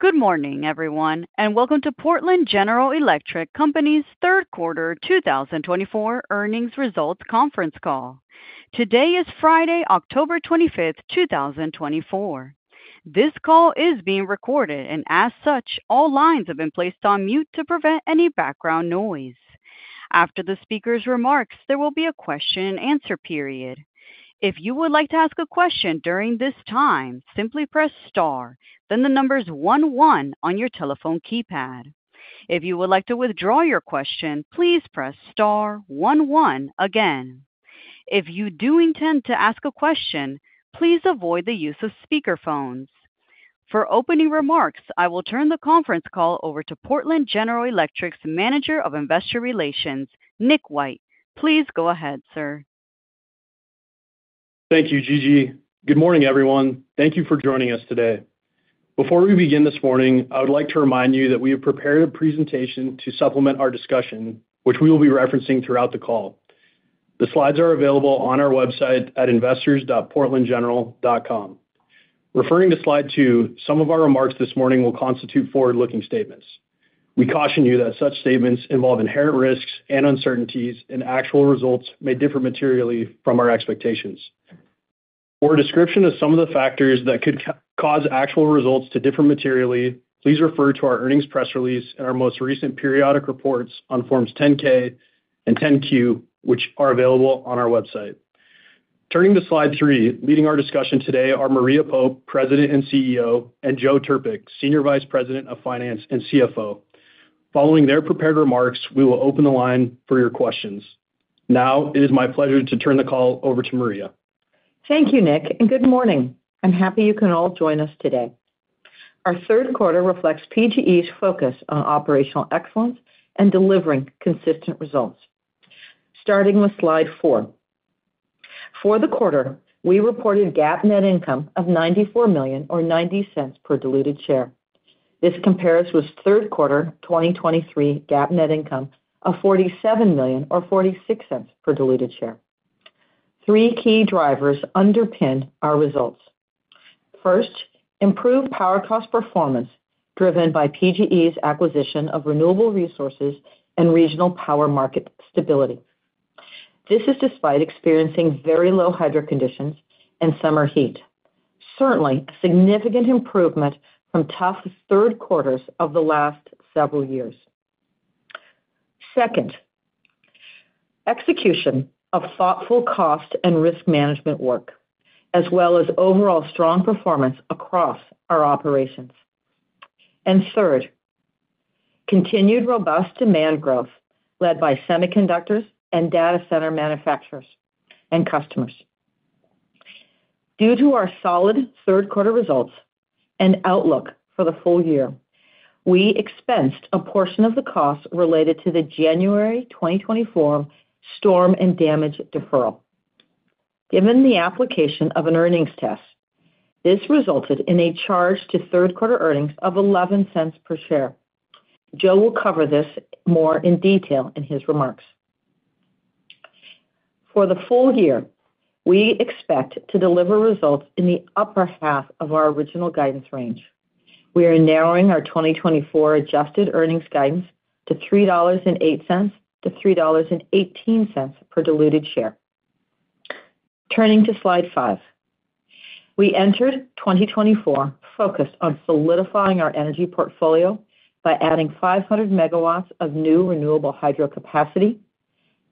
Good morning, everyone, and welcome to Portland General Electric Company's Third Quarter 2024 Earnings Results Conference Call. Today is Friday, October 25, 2024. This call is being recorded, and as such, all lines have been placed on mute to prevent any background noise. After the speaker's remarks, there will be a question and answer period. If you would like to ask a question during this time, simply press star, then the numbers one one on your telephone keypad. If you would like to withdraw your question, please press star one one again. If you do intend to ask a question, please avoid the use of speakerphones. For opening remarks, I will turn the conference call over to Portland General Electric's Manager of Investor Relations, Nick White. Please go ahead, sir. Thank you, Gigi. Good morning, everyone. Thank you for joining us today. Before we begin this morning, I would like to remind you that we have prepared a presentation to supplement our discussion, which we will be referencing throughout the call. The slides are available on our website at investors.portlandgeneral.com. Referring to Slide 2, some of our remarks this morning will constitute forward-looking statements. We caution you that such statements involve inherent risks and uncertainties, and actual results may differ materially from our expectations. For a description of some of the factors that could cause actual results to differ materially, please refer to our earnings press release and our most recent periodic reports on Forms 10-K and 10-Q, which are available on our website. Turning to Slide 3, leading our discussion today are Maria Pope, President and CEO, and Joe Trpik, Senior Vice President of Finance and CFO. Following their prepared remarks, we will open the line for your questions. Now, it is my pleasure to turn the call over to Maria. Thank you, Nick, and good morning. I'm happy you can all join us today. Our third quarter reflects PGE's focus on operational excellence and delivering consistent results. Starting with Slide 4. For the quarter, we reported GAAP net income of $94 million or $0.90 per diluted share. This compares with third quarter 2023 GAAP net income of $47 million or $0.46 per diluted share. Three key drivers underpin our results. First, improved power cost performance, driven by PGE's acquisition of renewable resources and regional power market stability. This is despite experiencing very low hydro conditions and summer heat. Certainly, a significant improvement from tough third quarters of the last several years. Second, execution of thoughtful cost and risk management work, as well as overall strong performance across our operations. And third, continued robust demand growth led by semiconductors and data center manufacturers and customers. Due to our solid third quarter results and outlook for the full year, we expensed a portion of the cost related to the January 2024 storm and damage deferral. Given the application of an earnings test, this resulted in a charge to third-quarter earnings of $0.11 per share. Joe will cover this more in detail in his remarks. For the full year, we expect to deliver results in the upper half of our original guidance range. We are narrowing our 2024 adjusted earnings guidance to $3.08-$3.18 per diluted share. Turning to Slide 5. We entered 2024 focused on solidifying our energy portfolio by adding 500 MW of new renewable hydro capacity,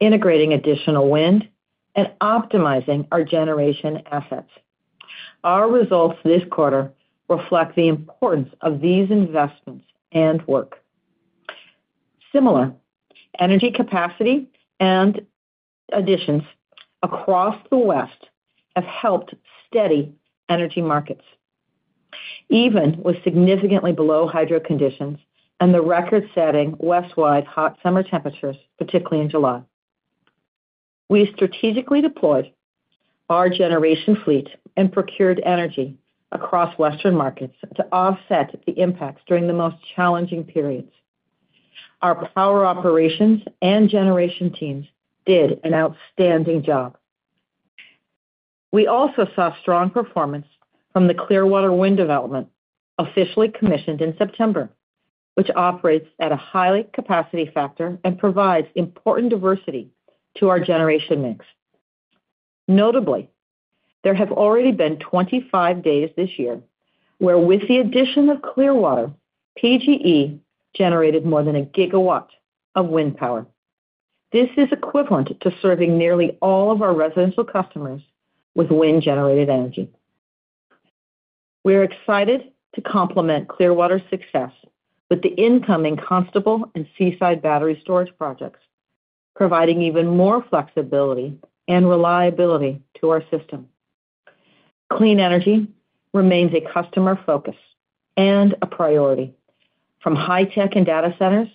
integrating additional wind, and optimizing our generation assets. Our results this quarter reflect the importance of these investments and work. Similar energy capacity and additions across the West have helped steady energy markets, even with significantly below hydro conditions and the record-setting Westwide hot summer temperatures, particularly in July. We strategically deployed our generation fleet and procured energy across Western markets to offset the impacts during the most challenging periods. Our power operations and generation teams did an outstanding job. We also saw strong performance from the Clearwater Wind Project, officially commissioned in September, which operates at a high capacity factor and provides important diversity to our generation mix. Notably, there have already been 25 days this year where, with the addition of Clearwater, PGE generated more than a gigawatt of wind power. This is equivalent to serving nearly all of our residential customers with wind-generated energy. We are excited to complement Clearwater's success with the incoming Constable and Seaside battery storage projects, providing even more flexibility and reliability to our system. Clean energy remains a customer focus and a priority from high tech and data centers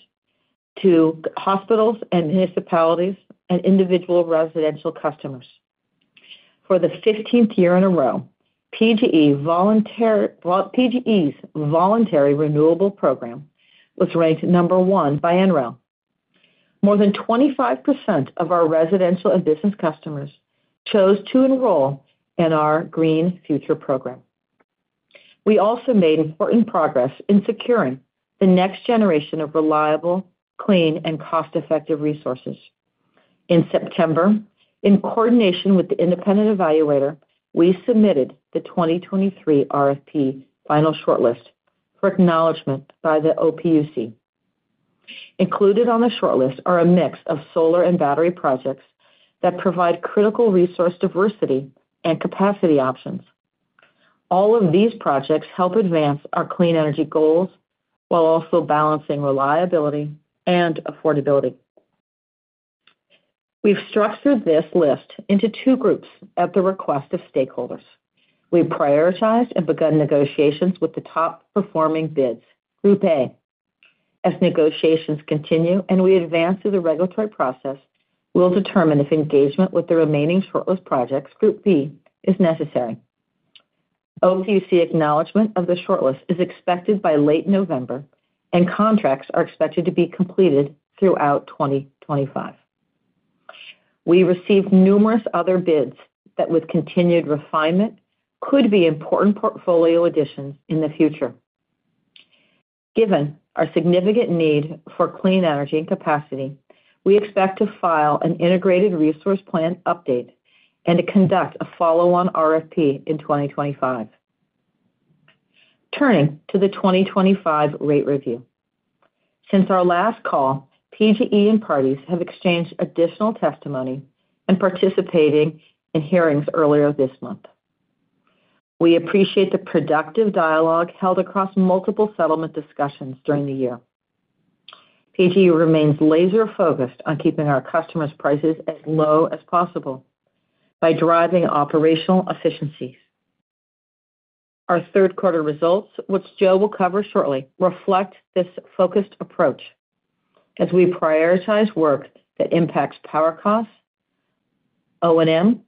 to hospitals and municipalities and individual residential customers. For the fifteenth year in a row, PGE's voluntary renewable program was ranked number one by NREL. More than 25% of our residential and business customers chose to enroll in our Green Future program. We also made important progress in securing the next generation of reliable, clean, and cost-effective resources. In September, in coordination with the independent evaluator, we submitted the 2023 RFP final shortlist for acknowledgement by the OPUC. Included on the shortlist are a mix of solar and battery projects that provide critical resource diversity and capacity options. All of these projects help advance our clean energy goals, while also balancing reliability and affordability. We've structured this list into two groups at the request of stakeholders. We've prioritized and begun negotiations with the top-performing bids, Group A. As negotiations continue and we advance through the regulatory process, we'll determine if engagement with the remaining shortlist projects, Group B, is necessary. OPUC acknowledgement of the shortlist is expected by late November, and contracts are expected to be completed throughout 2025. We received numerous other bids that, with continued refinement, could be important portfolio additions in the future. Given our significant need for clean energy and capacity, we expect to file an integrated resource plan update and to conduct a follow-on RFP in 2025. Turning to the 2025 rate review. Since our last call, PGE and parties have exchanged additional testimony in participating in hearings earlier this month. We appreciate the productive dialogue held across multiple settlement discussions during the year. PGE remains laser-focused on keeping our customers' prices as low as possible by driving operational efficiencies. Our third quarter results, which Joe will cover shortly, reflect this focused approach as we prioritize work that impacts power costs, O&M,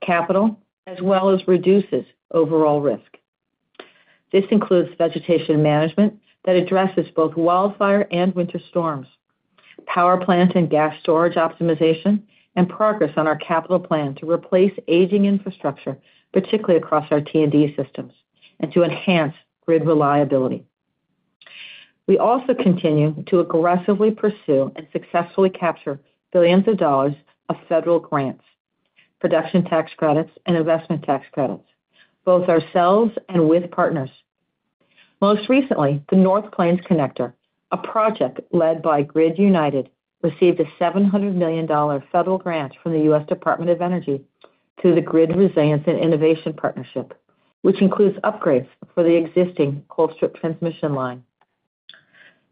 capital, as well as reduces overall risk. This includes vegetation management that addresses both wildfire and winter storms, power plant and gas storage optimization, and progress on our capital plan to replace aging infrastructure, particularly across our T&D systems, and to enhance grid reliability. We also continue to aggressively pursue and successfully capture billions of dollars of federal grants, production tax credits, and investment tax credits, both ourselves and with partners. Most recently, the North Plains Connector, a project led by Grid United, received a $700 million federal grant from the U.S. Department of Energy through the Grid Resilience and Innovation Partnership, which includes upgrades for the existing Colstrip transmission line.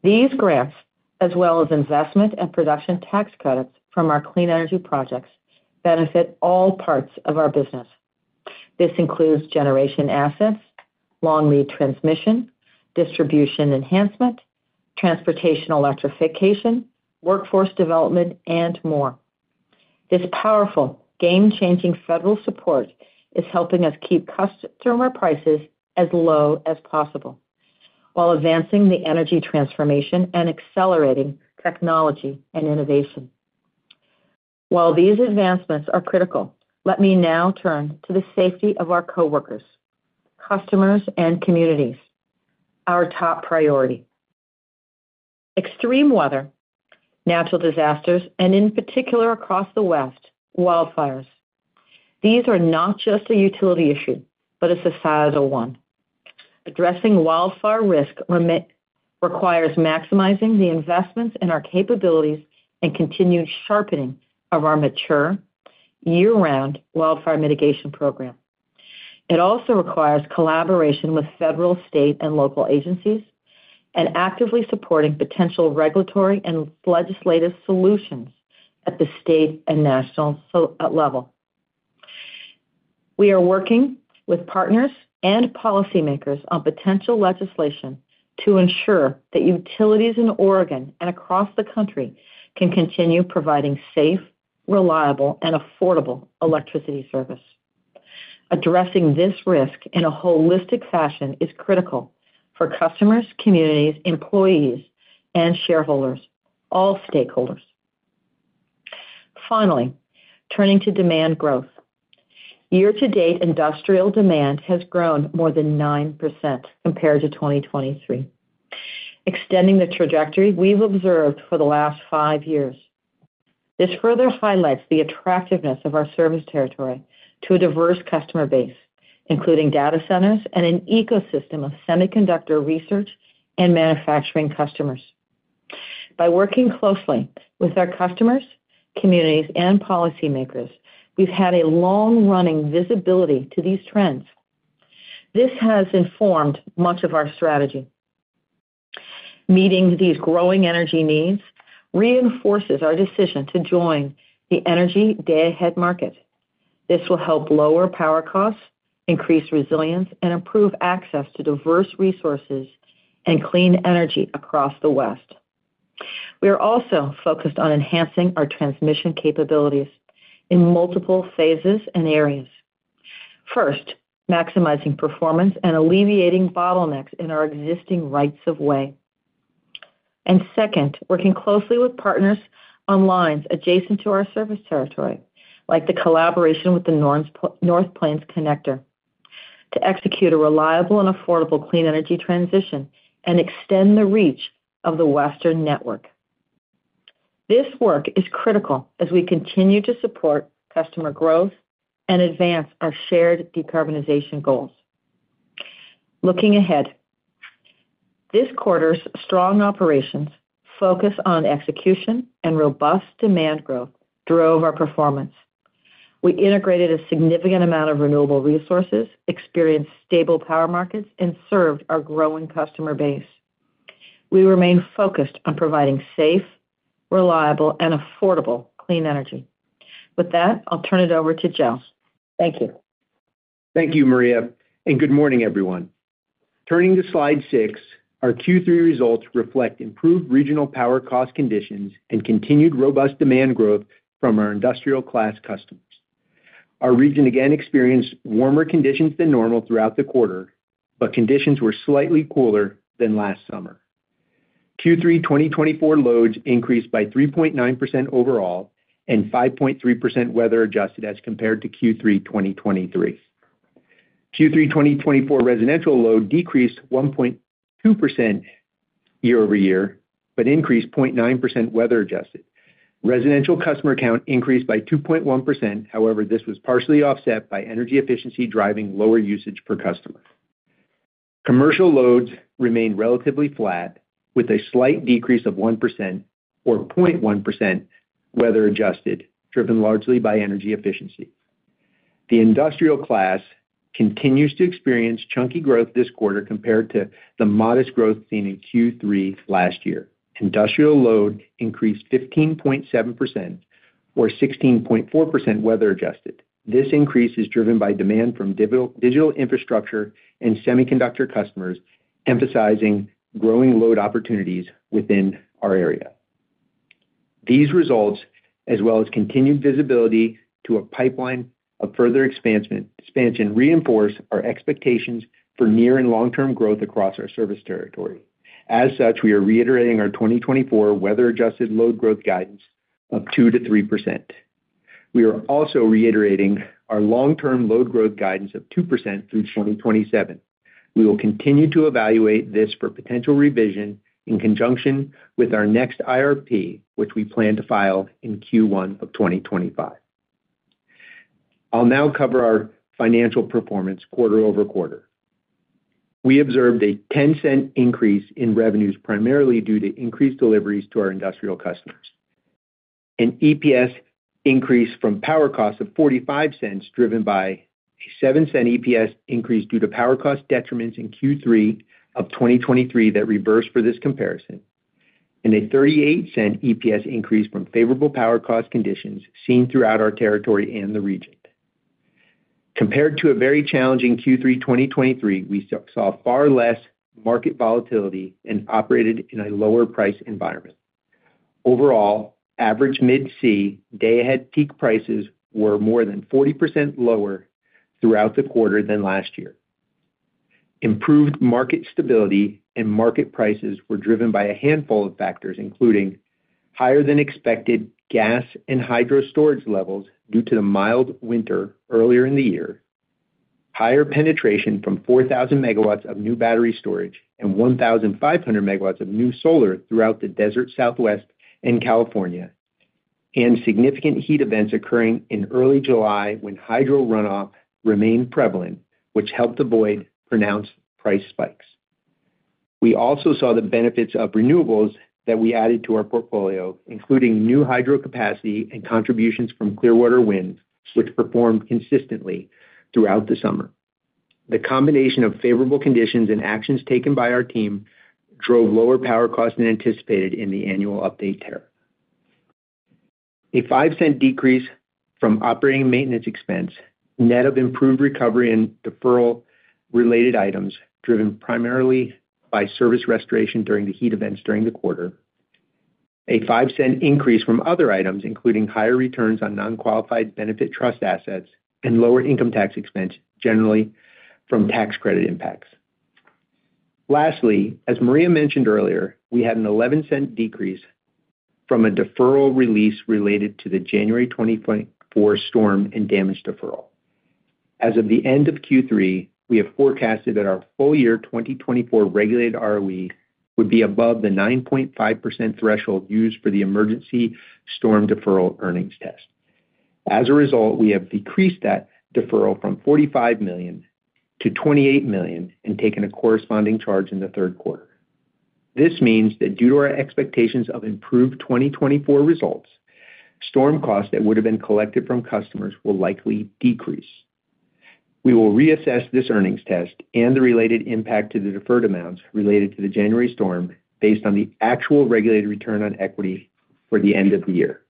These grants, as well as investment and production tax credits from our clean energy projects, benefit all parts of our business. This includes generation assets, long lead transmission, distribution enhancement, transportation electrification, workforce development, and more. This powerful, game-changing federal support is helping us keep customer prices as low as possible while advancing the energy transformation and accelerating technology and innovation. While these advancements are critical, let me now turn to the safety of our coworkers, customers, and communities, our top priority. Extreme weather, natural disasters, and in particular across the West, wildfires. These are not just a utility issue, but a societal one. Addressing wildfire risk requires maximizing the investments in our capabilities and continued sharpening of our mature, year-round wildfire mitigation program. It also requires collaboration with federal, state, and local agencies, and actively supporting potential regulatory and legislative solutions at the state and national level. We are working with partners and policymakers on potential legislation to ensure that utilities in Oregon and across the country can continue providing safe, reliable, and affordable electricity service. Addressing this risk in a holistic fashion is critical for customers, communities, employees, and shareholders, all stakeholders. Finally, turning to demand growth. Year to date, industrial demand has grown more than 9% compared to 2023, extending the trajectory we've observed for the last five years. This further highlights the attractiveness of our service territory to a diverse customer base, including data centers and an ecosystem of semiconductor research and manufacturing customers. By working closely with our customers, communities, and policymakers, we've had a long-running visibility to these trends. This has informed much of our strategy. Meeting these growing energy needs reinforces our decision to join the energy Day-Ahead Market. This will help lower power costs, increase resilience, and improve access to diverse resources and clean energy across the West. We are also focused on enhancing our transmission capabilities in multiple phases and areas. First, maximizing performance and alleviating bottlenecks in our existing rights of way. Second, working closely with partners on lines adjacent to our service territory, like the collaboration with the North Plains Connector, to execute a reliable and affordable clean energy transition and extend the reach of the Western network. This work is critical as we continue to support customer growth and advance our shared decarbonization goals. Looking ahead, this quarter's strong operations focus on execution and robust demand growth drove our performance. We integrated a significant amount of renewable resources, experienced stable power markets, and served our growing customer base. We remain focused on providing safe, reliable, and affordable clean energy. With that, I'll turn it over to Joe. Thank you. Thank you, Maria, and good morning, everyone. Turning to Slide 6, our Q3 results reflect improved regional power cost conditions and continued robust demand growth from our industrial class customers. Our region again experienced warmer conditions than normal throughout the quarter, but conditions were slightly cooler than last summer. Q3 2024 loads increased by 3.9% overall and 5.3% weather adjusted as compared to Q3 2023. Q3 2024 residential load decreased 1.2% year-over-year, but increased 0.9% weather adjusted. Residential customer count increased by 2.1%, however, this was partially offset by energy efficiency, driving lower usage per customer. Commercial loads remained relatively flat, with a slight decrease of 1% or 0.1% weather adjusted, driven largely by energy efficiency. The industrial class continues to experience chunky growth this quarter compared to the modest growth seen in Q3 last year. Industrial load increased 15.7% or 16.4% weather adjusted. This increase is driven by demand from digital infrastructure and semiconductor customers, emphasizing growing load opportunities within our area. These results, as well as continued visibility to a pipeline of further expansion, reinforce our expectations for near and long-term growth across our service territory. As such, we are reiterating our 2024 weather adjusted load growth guidance of 2%-3%. We are also reiterating our long-term load growth guidance of 2% through 2027. We will continue to evaluate this for potential revision in conjunction with our next IRP, which we plan to file in Q1 of 2025. I'll now cover our financial performance quarter-over-quarter. We observed a $0.10 increase in revenues, primarily due to increased deliveries to our industrial customers. An EPS increase from power costs of $0.45, driven by a $0.07 EPS increase due to power cost detriments in Q3 of 2023 that reversed for this comparison, and a $0.38 EPS increase from favorable power cost conditions seen throughout our territory and the region. Compared to a very challenging Q3 2023, we saw far less market volatility and operated in a lower price environment. Overall, average Mid-C day-ahead peak prices were more than 40% lower throughout the quarter than last year. Improved market stability and market prices were driven by a handful of factors, including higher than expected gas and hydro storage levels due to the mild winter earlier in the year, higher penetration from 4,000 MW of new battery storage and 1,500 MW of new solar throughout the desert Southwest and California, and significant heat events occurring in early July when hydro runoff remained prevalent, which helped avoid pronounced price spikes. We also saw the benefits of renewables that we added to our portfolio, including new hydro capacity and contributions from Clearwater Wind, which performed consistently throughout the summer. The combination of favorable conditions and actions taken by our team drove lower power costs than anticipated in the Annual Update Tariff. A $0.05 decrease from operating maintenance expense, net of improved recovery and deferral related items driven primarily by service restoration during the heat events during the quarter. A $0.05 increase from other items, including higher returns on non-qualified benefit trust assets and lower income tax expense, generally from tax credit impacts. Lastly, as Maria mentioned earlier, we had an $0.11 decrease from a deferral release related to the January 2024 storm and damage deferral. As of the end of Q3, we have forecasted that our full year 2024 regulated ROE would be above the 9.5% threshold used for the emergency storm deferral earnings test. As a result, we have decreased that deferral from $45 million - $28 million and taken a corresponding charge in the third quarter. This means that due to our expectations of improved 2024 results, storm costs that would have been collected from customers will likely decrease. We will reassess this earnings test and the related impact to the deferred amounts related to the January storm, based on the actual regulated return on equity for the end of the year.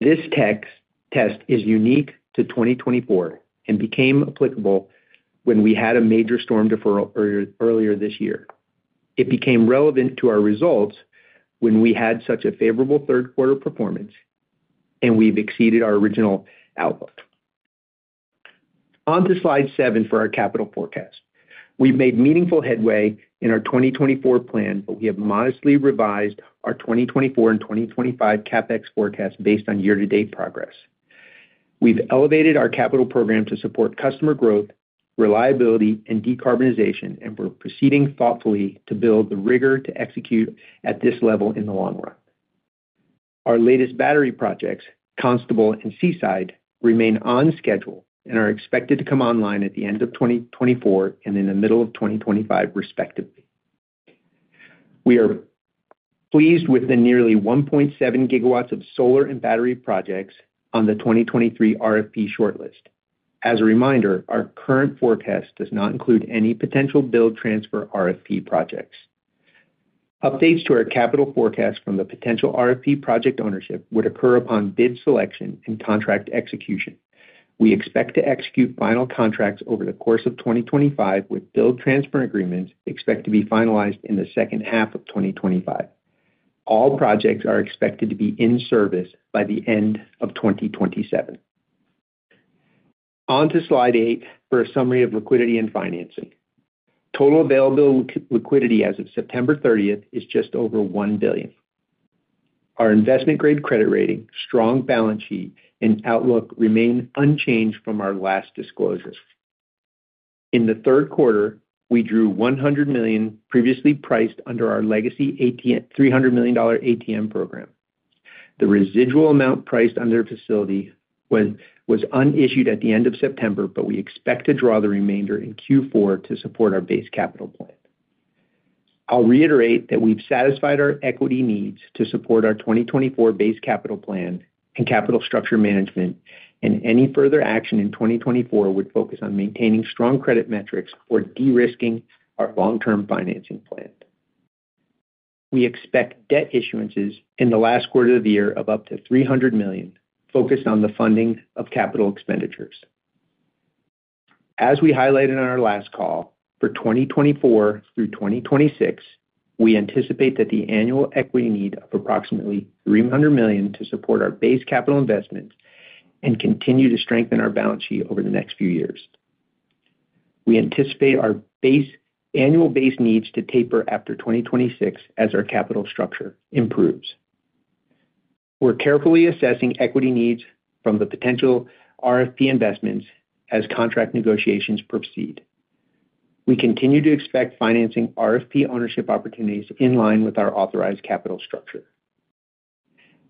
This test is unique to 2024 and became applicable when we had a major storm deferral earlier this year. It became relevant to our results when we had such a favorable third quarter performance, and we've exceeded our original outlook. On to Slide 7 for our capital forecast. We've made meaningful headway in our 2024 plan, but we have modestly revised our 2024 and 2025 CapEx forecast based on year-to-date progress. We've elevated our capital program to support customer growth, reliability, and decarbonization, and we're proceeding thoughtfully to build the rigor to execute at this level in the long run. Our latest battery projects, Constable and Seaside, remain on schedule and are expected to come online at the end of 2024 and in the middle of 2025, respectively. We are pleased with the nearly one point seven gigawatts of solar and battery projects on the 2023 RFP shortlist. As a reminder, our current forecast does not include any potential build-transfer RFP projects. Updates to our capital forecast from the potential RFP project ownership would occur upon bid selection and contract execution. We expect to execute final contracts over the course of 2025, with build-transfer agreements expect to be finalized in the second half of 2025. All projects are expected to be in service by the end of 2027. On to Slide 8 for a summary of liquidity and financing. Total available liquidity as of September 30 is just over $1 billion. Our investment-grade credit rating, strong balance sheet, and outlook remain unchanged from our last disclosures. In the third quarter, we drew $100 million previously priced under our legacy $300 million ATM program. The residual amount priced under the facility was unissued at the end of September, but we expect to draw the remainder in Q4 to support our base capital plan. I'll reiterate that we've satisfied our equity needs to support our 2024 base capital plan and capital structure management, and any further action in 2024 would focus on maintaining strong credit metrics for de-risking our long-term financing plan. We expect debt issuances in the last quarter of the year of up to $300 million, focused on the funding of capital expenditures. As we highlighted on our last call, for 2024 through 2026, we anticipate that the annual equity need of approximately $300 million to support our base capital investments and continue to strengthen our balance sheet over the next few years. We anticipate our annual base needs to taper after 2026 as our capital structure improves. We're carefully assessing equity needs from the potential RFP investments as contract negotiations proceed. We continue to expect financing RFP ownership opportunities in line with our authorized capital structure.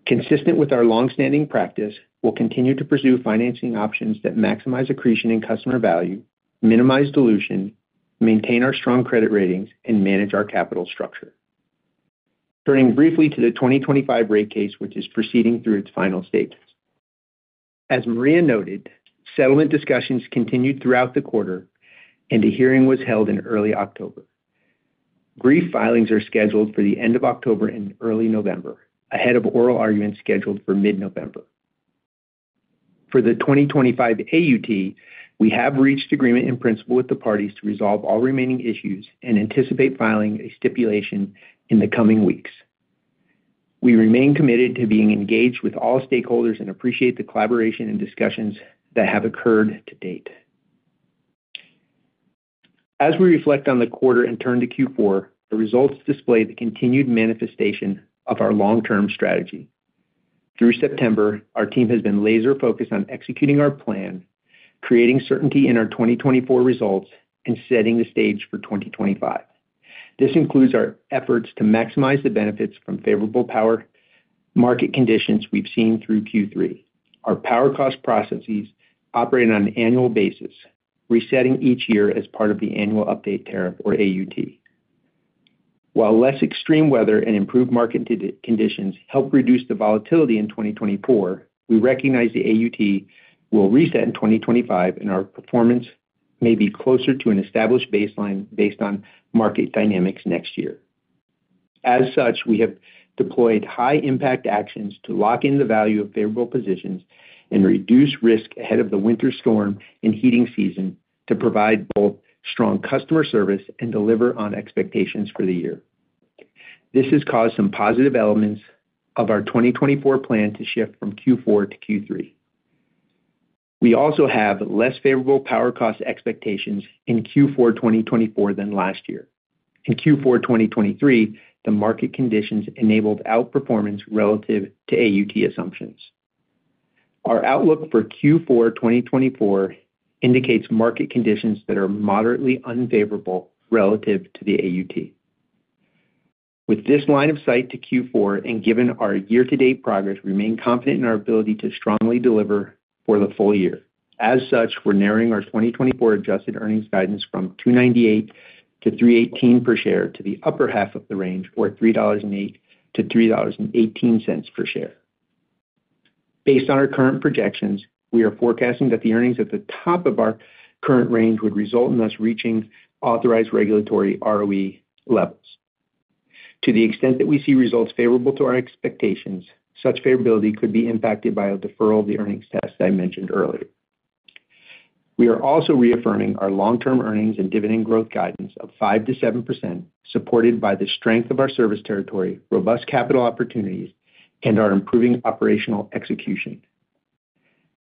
Consistent with our long-standing practice, we'll continue to pursue financing options that maximize accretion and customer value, minimize dilution, maintain our strong credit ratings, and manage our capital structure. Turning briefly to the 2025 rate case, which is proceeding through its final stages. As Maria noted, settlement discussions continued throughout the quarter, and a hearing was held in early October. Briefs filings are scheduled for the end of October and early November, ahead of oral arguments scheduled for mid-November. For the 2025 AUT, we have reached agreement in principle with the parties to resolve all remaining issues and anticipate filing a stipulation in the coming weeks. We remain committed to being engaged with all stakeholders and appreciate the collaboration and discussions that have occurred to date. As we reflect on the quarter and turn to Q4, the results display the continued manifestation of our long-term strategy. Through September, our team has been laser-focused on executing our plan, creating certainty in our 2024 results, and setting the stage for 2025. This includes our efforts to maximize the benefits from favorable power market conditions we've seen through Q3. Our power cost processes operating on an annual basis, resetting each year as part of the Annual Update Tariff or AUT. While less extreme weather and improved market conditions help reduce the volatility in 2024, we recognize the AUT will reset in 2025, and our performance may be closer to an established baseline based on market dynamics next year. As such, we have deployed high-impact actions to lock in the value of favorable positions and reduce risk ahead of the winter storm and heating season to provide both strong customer service and deliver on expectations for the year. This has caused some positive elements of our 2024 plan to shift from Q4 to Q3. We also have less favorable power cost expectations in Q4 2024 than last year. In Q4 2023, the market conditions enabled outperformance relative to AUT assumptions. Our outlook for Q4 2024 indicates market conditions that are moderately unfavorable relative to the AUT. With this line of sight to Q4, and given our year-to-date progress, we remain confident in our ability to strongly deliver for the full year. As such, we're narrowing our 2024 adjusted earnings guidance from $2.98-$3.18 per share to the upper half of the range, or $3.08-$3.18 per share. Based on our current projections, we are forecasting that the earnings at the top of our current range would result in us reaching authorized regulatory ROE levels. To the extent that we see results favorable to our expectations, such favorability could be impacted by a deferral of the earnings test I mentioned earlier. We are also reaffirming our long-term earnings and dividend growth guidance of 5%-7%, supported by the strength of our service territory, robust capital opportunities, and our improving operational execution.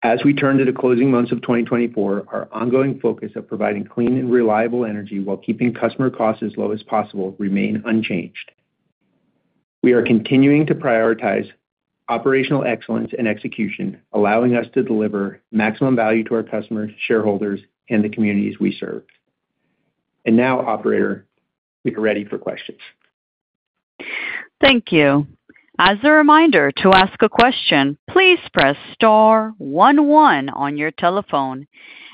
As we turn to the closing months of 2024, our ongoing focus of providing clean and reliable energy while keeping customer costs as low as possible remain unchanged. We are continuing to prioritize operational excellence and execution, allowing us to deliver maximum value to our customers, shareholders, and the communities we serve. And now, operator, we are ready for questions. Thank you. As a reminder, to ask a question, please press star one one on your telephone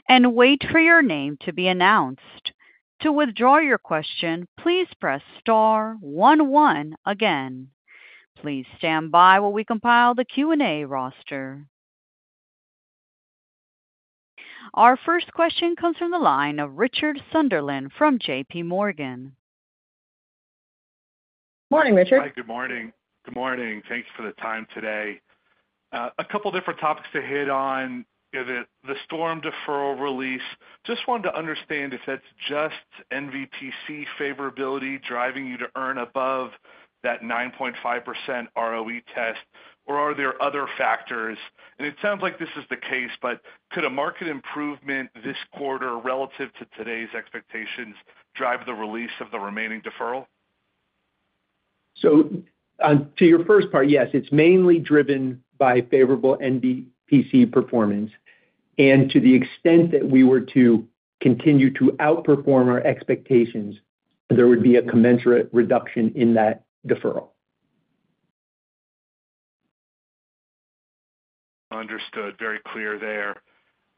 and wait for your name to be announced. To withdraw your question, please press star one one again. Please stand by while we compile the Q&A roster. Our first question comes from the line of Richard Sunderland from JPMorgan. Good morning, Richard. Hi, good morning. Good morning, thanks for the time today. A couple different topics to hit on, is it the storm deferral release? Just wanted to understand if that's just NVPC favorability driving you to earn above that 9.5% ROE test, or are there other factors? And it sounds like this is the case, but could a market improvement this quarter relative to today's expectations, drive the release of the remaining deferral? To your first part, yes, it's mainly driven by favorable NVPC performance, and to the extent that we were to continue to outperform our expectations, there would be a commensurate reduction in that deferral. Understood. Very clear there.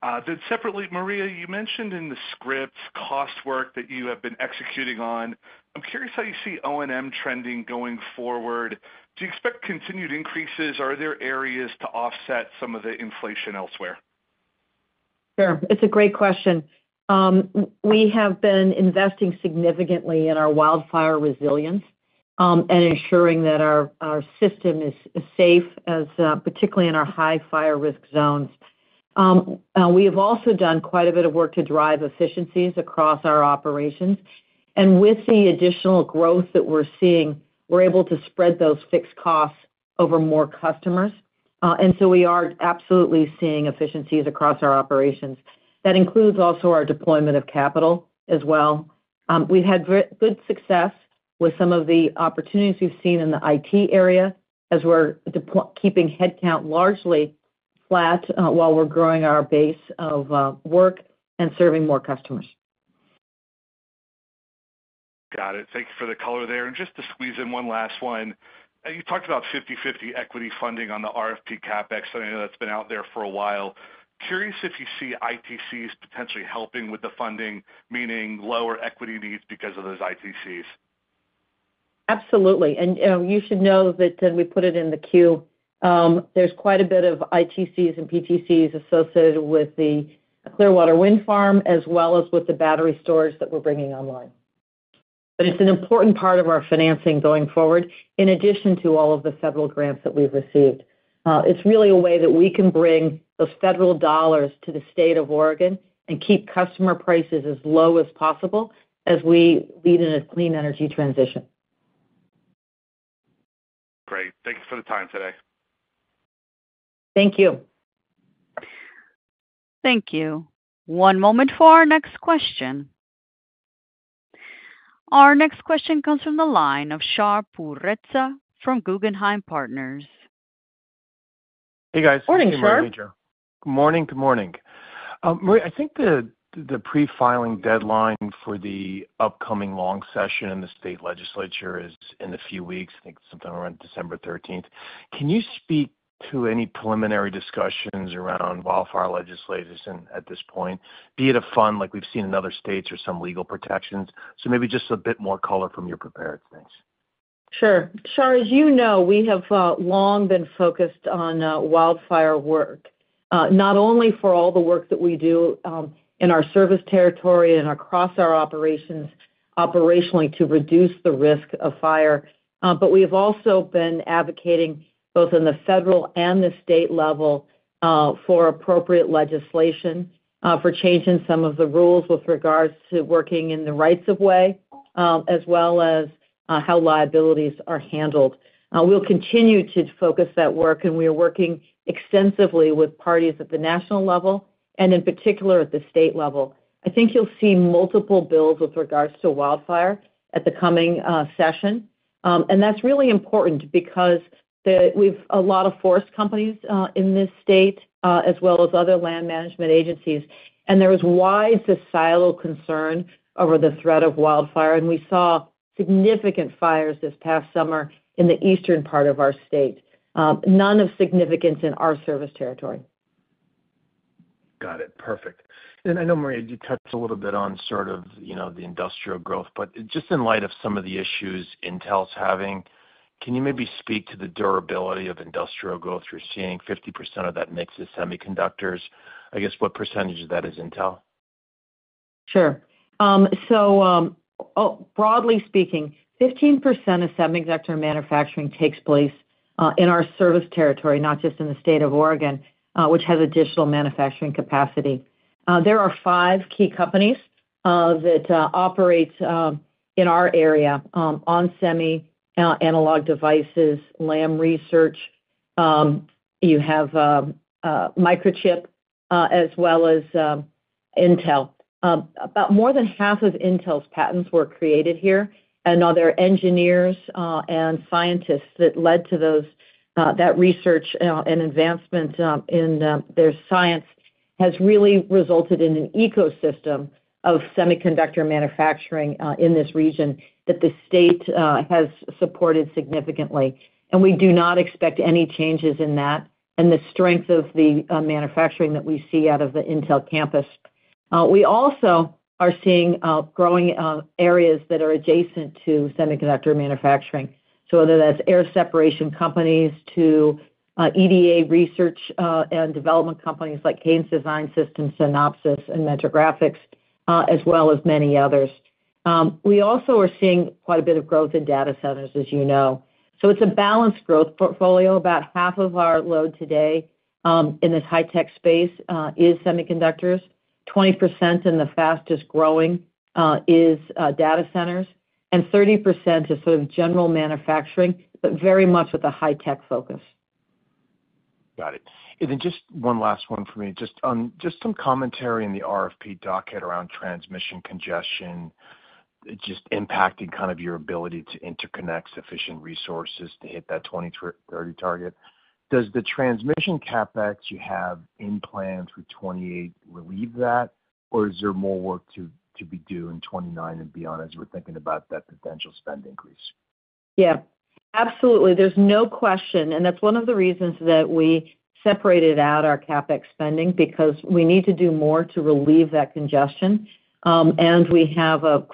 Then separately, Maria, you mentioned in the script cost work that you have been executing on. I'm curious how you see O&M trending going forward. Do you expect continued increases? Are there areas to offset some of the inflation elsewhere? Sure. It's a great question. We have been investing significantly in our wildfire resilience, and ensuring that our system is safe, particularly in our high fire risk zones. We have also done quite a bit of work to drive efficiencies across our operations, and with the additional growth that we're seeing, we're able to spread those fixed costs over more customers. And so we are absolutely seeing efficiencies across our operations. That includes also our deployment of capital as well. We've had very good success with some of the opportunities we've seen in the IT area, as we're keeping headcount largely flat, while we're growing our base of work and serving more customers. Got it. Thank you for the color there. And just to squeeze in one last one, you talked about fifty-fifty equity funding on the RFP CapEx. I know that's been out there for a while. Curious if you see ITCs potentially helping with the funding, meaning lower equity needs because of those ITCs? Absolutely. And, you should know that, and we put it in the queue, there's quite a bit of ITCs and PTCs associated with the Clearwater Wind Farm, as well as with the battery storage that we're bringing online. But it's an important part of our financing going forward, in addition to all of the federal grants that we've received. It's really a way that we can bring those federal dollars to the state of Oregon and keep customer prices as low as possible as we lead in a clean energy transition. Great. Thanks for the time today. Thank you. Thank you. One moment for our next question. Our next question comes from the line of Shar Pourreza from Guggenheim Partners. Hey, guys. Morning, Shar. Good morning, good morning. Maria, I think the pre-filing deadline for the upcoming long session in the state legislature is in a few weeks, I think sometime around December thirteenth. Can you speak to any preliminary discussions around wildfire legislation and at this point, be it a fund like we've seen in other states or some legal protections? So maybe just a bit more color from your prepared remarks. Sure. Shar, as you know, we have long been focused on wildfire work, not only for all the work that we do in our service territory and across our operations, operationally, to reduce the risk of fire, but we have also been advocating, both in the federal and the state level, for appropriate legislation, for changing some of the rules with regards to working in the rights of way, as well as how liabilities are handled. We'll continue to focus that work, and we are working extensively with parties at the national level and in particular at the state level. I think you'll see multiple bills with regards to wildfire at the coming session. And that's really important because we have a lot of forest companies in this state, as well as other land management agencies, and there is wide societal concern over the threat of wildfire, and we saw significant fires this past summer in the eastern part of our state. None of significance in our service territory. Got it, perfect. And I know, Maria, you touched a little bit on sort of, you know, the industrial growth, but just in light of some of the issues Intel's having, can you maybe speak to the durability of industrial growth? You're seeing 50% of that mix is semiconductors. I guess, what percentage of that is Intel? Sure. Broadly speaking, 15% of semiconductor manufacturing takes place in our service territory, not just in the state of Oregon, which has additional manufacturing capacity. There are five key companies that operate in our area, onsemi, Analog Devices, Lam Research. You have Microchip, as well as Intel. About more than half of Intel's patents were created here, and other engineers and scientists that led to those that research and advancement in their science has really resulted in an ecosystem of semiconductor manufacturing in this region that the state has supported significantly. And we do not expect any changes in that and the strength of the manufacturing that we see out of the Intel campus. We also are seeing growing areas that are adjacent to semiconductor manufacturing. So whether that's air separation companies to EDA research and development companies like Cadence Design Systems, Synopsys and Mentor Graphics, as well as many others. We also are seeing quite a bit of growth in data centers, as you know. So it's a balanced growth portfolio. About half of our load today in this high tech space is semiconductors. 20% in the fastest growing is data centers, and 30% is sort of general manufacturing, but very much with a high tech focus. Got it. And then just one last one for me. Just on, just some commentary in the RFP docket around transmission congestion, just impacting kind of your ability to interconnect sufficient resources to hit that 20-30 target. Does the transmission CapEx you have in plan through 2028 relieve that, or is there more work to be due in 2029 and beyond, as we're thinking about that potential spend increase? Yeah, absolutely. There's no question, and that's one of the reasons that we separated out our CapEx spending, because we need to do more to relieve that congestion, and we have a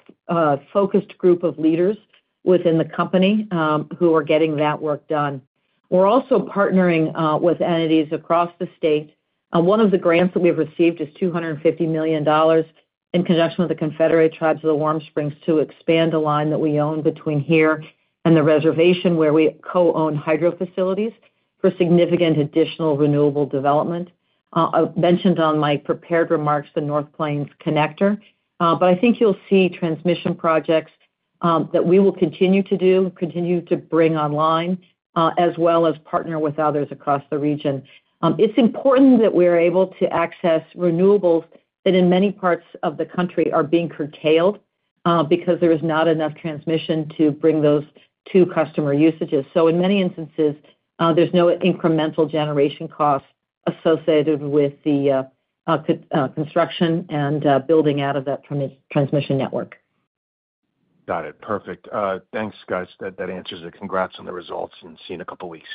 focused group of leaders within the company, who are getting that work done. We're also partnering with entities across the state. One of the grants that we've received is $250 million in conjunction with the Confederated Tribes of Warm Springs, to expand a line that we own between here and the reservation, where we co-own hydro facilities for significant additional renewable development. I mentioned on my prepared remarks, the North Plains Connector, but I think you'll see transmission projects that we will continue to do, continue to bring online, as well as partner with others across the region. It's important that we're able to access renewables that, in many parts of the country, are being curtailed, because there is not enough transmission to bring those to customer usages. So in many instances, there's no incremental generation cost associated with the construction and building out of that transmission network. Got it. Perfect. Thanks, guys. That answers it. Congrats on the results, and see you in a couple weeks.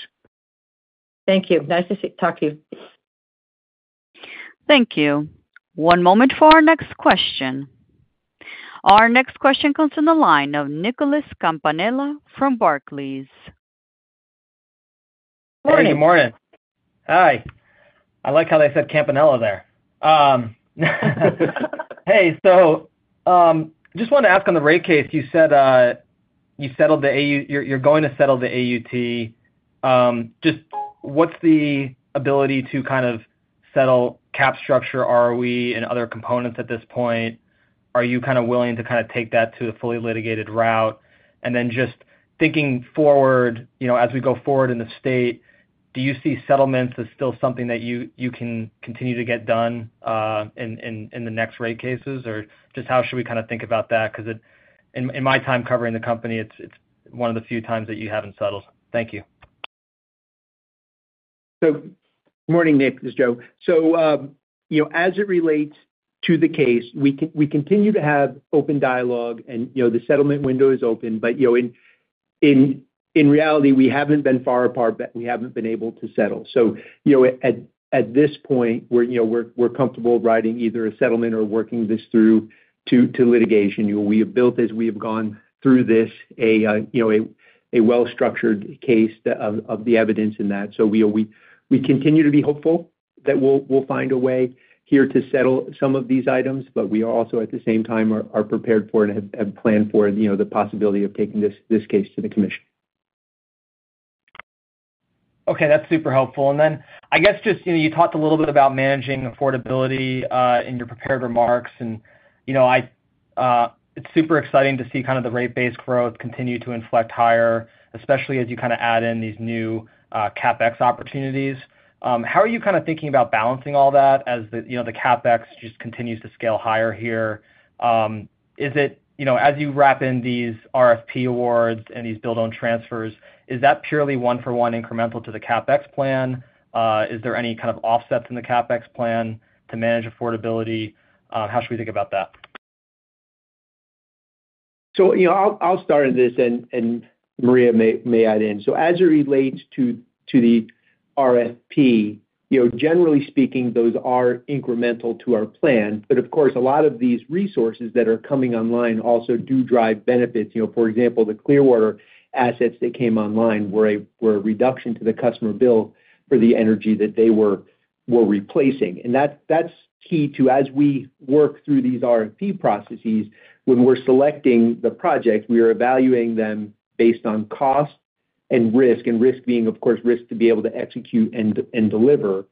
Thank you. Nice to see you, talk to you. Thank you. One moment for our next question. Our next question comes from the line of Nicholas Campanella from Barclays. Good morning. Hi. I like how they said Campanella there. Hey, so, just wanted to ask, on the rate case, you said, you settled the AU-- you're going to settle the AUT. Just what's the ability to kind of settle cap structure, ROE, and other components at this point? Are you kind of willing to kind of take that to a fully litigated route? And then just thinking forward, you know, as we go forward in the state, do you see settlements as still something that you can continue to get done, in the next rate cases? Or just how should we kind of think about that? Because in my time covering the company, it's one of the few times that you haven't settled. Thank you. Good morning, Nick, this is Joe. You know, as it relates to the case, we continue to have open dialogue and, you know, the settlement window is open, but, you know, in reality, we haven't been far apart, but we haven't been able to settle. So, you know, at this point, we're comfortable riding either a settlement or working this through to litigation. You know, we have built this, we have gone through this, you know, a well-structured case of the evidence in that. So we continue to be hopeful that we'll find a way here to settle some of these items, but we are also, at the same time, prepared for and have planned for, you know, the possibility of taking this case to the commission. Okay, that's super helpful. And then I guess just, you know, you talked a little bit about managing affordability in your prepared remarks. And, you know, I, it's super exciting to see kind of the rate base growth continue to inflect higher, especially as you kind of add in these new CapEx opportunities. How are you kind of thinking about balancing all that as the, you know, the CapEx just continues to scale higher here? Is it, you know, as you wrap in these RFP awards and these build-transfer, is that purely one for one incremental to the CapEx plan? Is there any kind of offsets in the CapEx plan to manage affordability? How should we think about that? You know, I'll start on this, and Maria may add in. As it relates to the RFP, you know, generally speaking, those are incremental to our plan. But of course, a lot of these resources that are coming online also do drive benefits. You know, for example, the Clearwater assets that came online were a reduction to the customer bill for the energy that we're replacing. And that's key to as we work through these RFP processes, when we're selecting the project, we are evaluating them based on cost and risk, and risk being, of course, risk to be able to execute and deliver.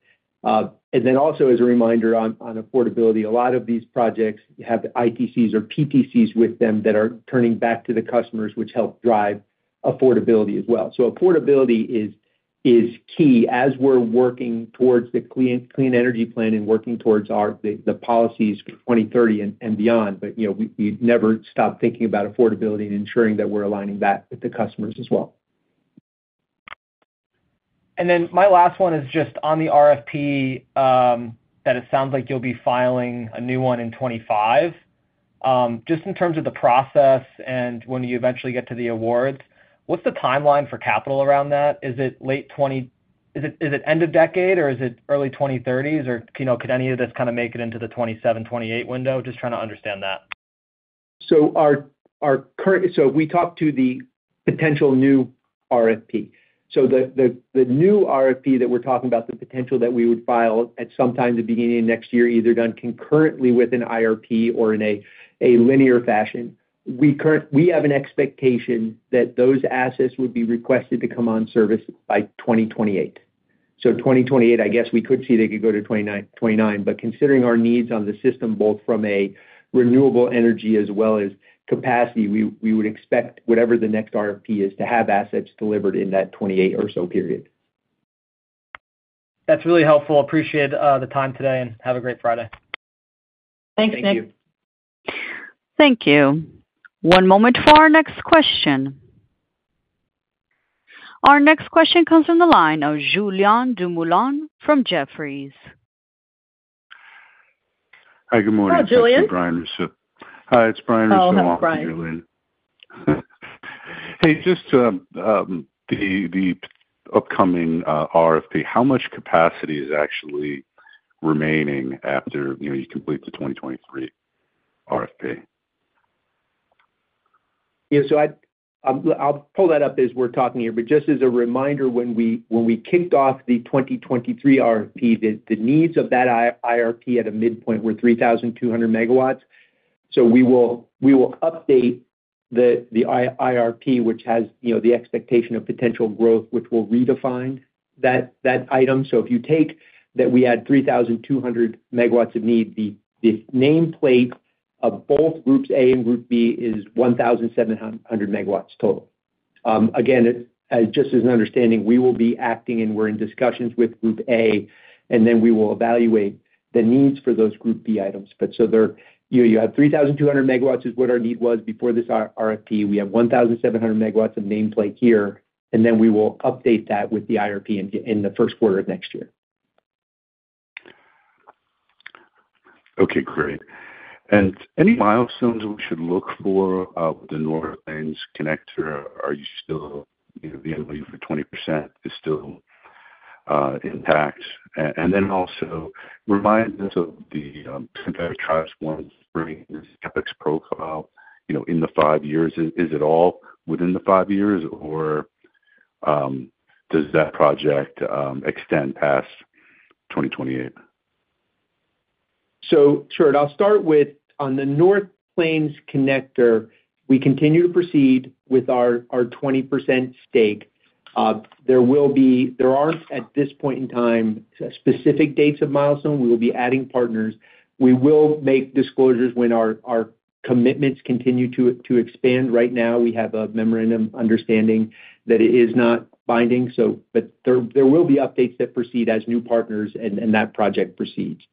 And then also as a reminder on affordability, a lot of these projects have the ITCs or PTCs with them that are turning back to the customers, which help drive affordability as well. So affordability is key as we're working towards the Clean Energy Plan and working towards the policies for 2030 and beyond. But you know, we never stop thinking about affordability and ensuring that we're aligning that with the customers as well. And then my last one is just on the RFP, that it sounds like you'll be filing a new one in 2025. Just in terms of the process and when you eventually get to the awards, what's the timeline for capital around that? Is it late 2020s, is it end of decade, or is it early 2030s, or, you know, could any of this kind of make it into the 2027, 2028 window? Just trying to understand that. Our current so we talked to the potential new RFP. So the new RFP that we're talking about, the potential that we would file at some time in the beginning of next year, either done concurrently with an IRP or in a linear fashion. We have an expectation that those assets would be requested to come on service by 2028. So 2028, I guess, we could see they could go to 2029. But considering our needs on the system, both from a renewable energy as well as capacity, we would expect whatever the next RFP is to have assets delivered in that 2028 or so period. That's really helpful. Appreciate the time today, and have a great Friday. Thanks, Nick. Thank you. One moment for our next question. Our next question comes from the line of Julien Dumoulin-Smith from Jefferies. Hi, good morning. Hi, Julien. This is Brian Russo. Hi, it's Brian Russo- Oh, hello, Brian.... off Julien. Hey, just to the upcoming RFP, how much capacity is actually remaining after, you know, you complete the 2023 RFP? Yeah, so I'll pull that up as we're talking here. But just as a reminder, when we kicked off the 2023 RFP, the needs of that IRP at a midpoint were 3,200 MW. So we will update the IRP, which has, you know, the expectation of potential growth, which will redefine that item. So if you take that we had 3,200 MW of need, the nameplate of both groups A and group B is 1,700 MW total. Again, just as an understanding, we will be acting and we're in discussions with group A, and then we will evaluate the needs for those group B items. But so there, you know, you have 3,200 MW is what our need was before this RFP. We have 1,700 MW of nameplate here, and then we will update that with the IRP in the first quarter of next year. Okay, great. And any milestones we should look for with the North Plains Connector, are you still, you know, the ability for 20% is still intact? And then also remind us of the Confederated Tribes Warm Springs' CapEx profile, you know, in the five years. Is it all within the five years, or does that project extend past 2028? Sure. I'll start with, on the North Plains Connector, we continue to proceed with our 20% stake. There aren't, at this point in time, specific dates of milestone. We will be adding partners. We will make disclosures when our commitments continue to expand. Right now, we have a memorandum of understanding that it is not binding, so but there will be updates that proceed as new partners and that project proceeds.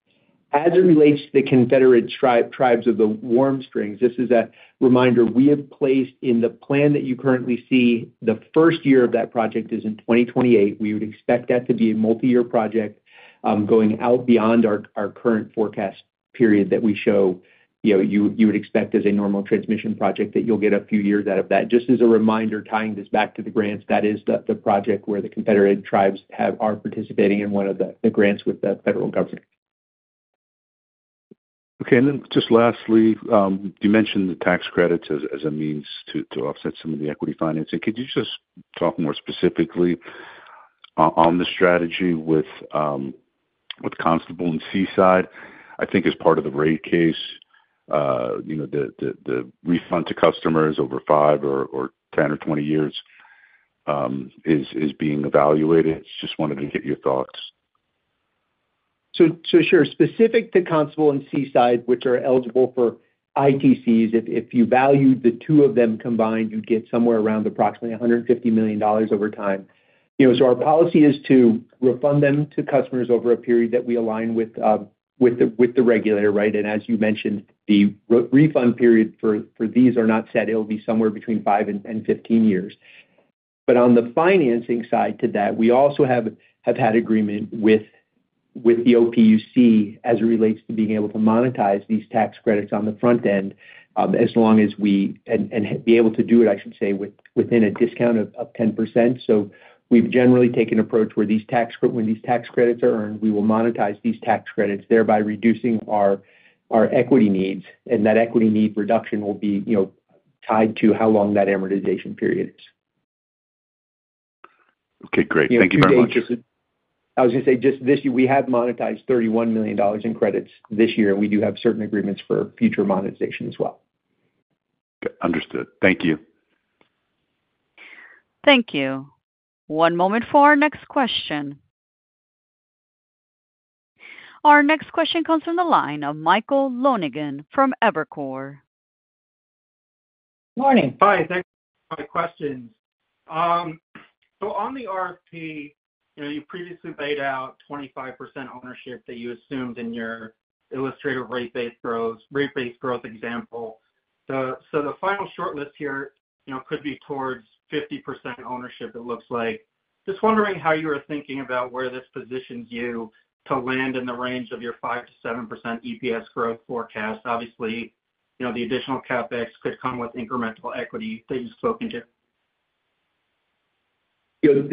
As it relates to the Confederated Tribes of the Warm Springs, this is a reminder we have placed in the plan that you currently see, the first year of that project is in 2028. We would expect that to be a multi-year project, going out beyond our current forecast period that we show, you know, you would expect as a normal transmission project, that you'll get a few years out of that. Just as a reminder, tying this back to the grants, that is the project where the Confederated Tribes are participating in one of the grants with the federal government. Okay, and then just lastly, you mentioned the tax credits as a means to offset some of the equity financing. Could you just talk more specifically on the strategy with Constable and Seaside? I think as part of the rate case, you know, the refund to customers over 5 years or 10 years or 20 years is being evaluated. Just wanted to get your thoughts. So sure. Specific to Constable and Seaside, which are eligible for ITCs, if you value the two of them combined, you'd get somewhere around approximately $150 million over time. You know, our policy is to refund them to customers over a period that we align with the regulator, right? And as you mentioned, the refund period for these are not set. It'll be somewhere between 5 years - 15 years. But on the financing side to that, we also have had agreement with the OPUC as it relates to being able to monetize these tax credits on the front end, as long as we... And be able to do it, I should say, within a discount of 10%. So we've generally taken an approach where these tax credits are earned, we will monetize these tax credits, thereby reducing our equity needs, and that equity need reduction will be, you know, tied to how long that amortization period is.... Okay, great. Thank you very much. I was going to say, just this year, we have monetized $31 million in credits this year, and we do have certain agreements for future monetization as well. Understood. Thank you. Thank you. One moment for our next question. Our next question comes from the line of Michael Lonegan from Evercore. Morning. Hi, thanks for my questions. So on the RFP, you know, you previously laid out 25% ownership that you assumed in your illustrative rate-based growth example. So the final shortlist here, you know, could be towards 50% ownership, it looks like. Just wondering how you are thinking about where this positions you to land in the range of your 5%-7% EPS growth forecast. Obviously, you know, the additional CapEx could come with incremental equity that you've spoken to. You know,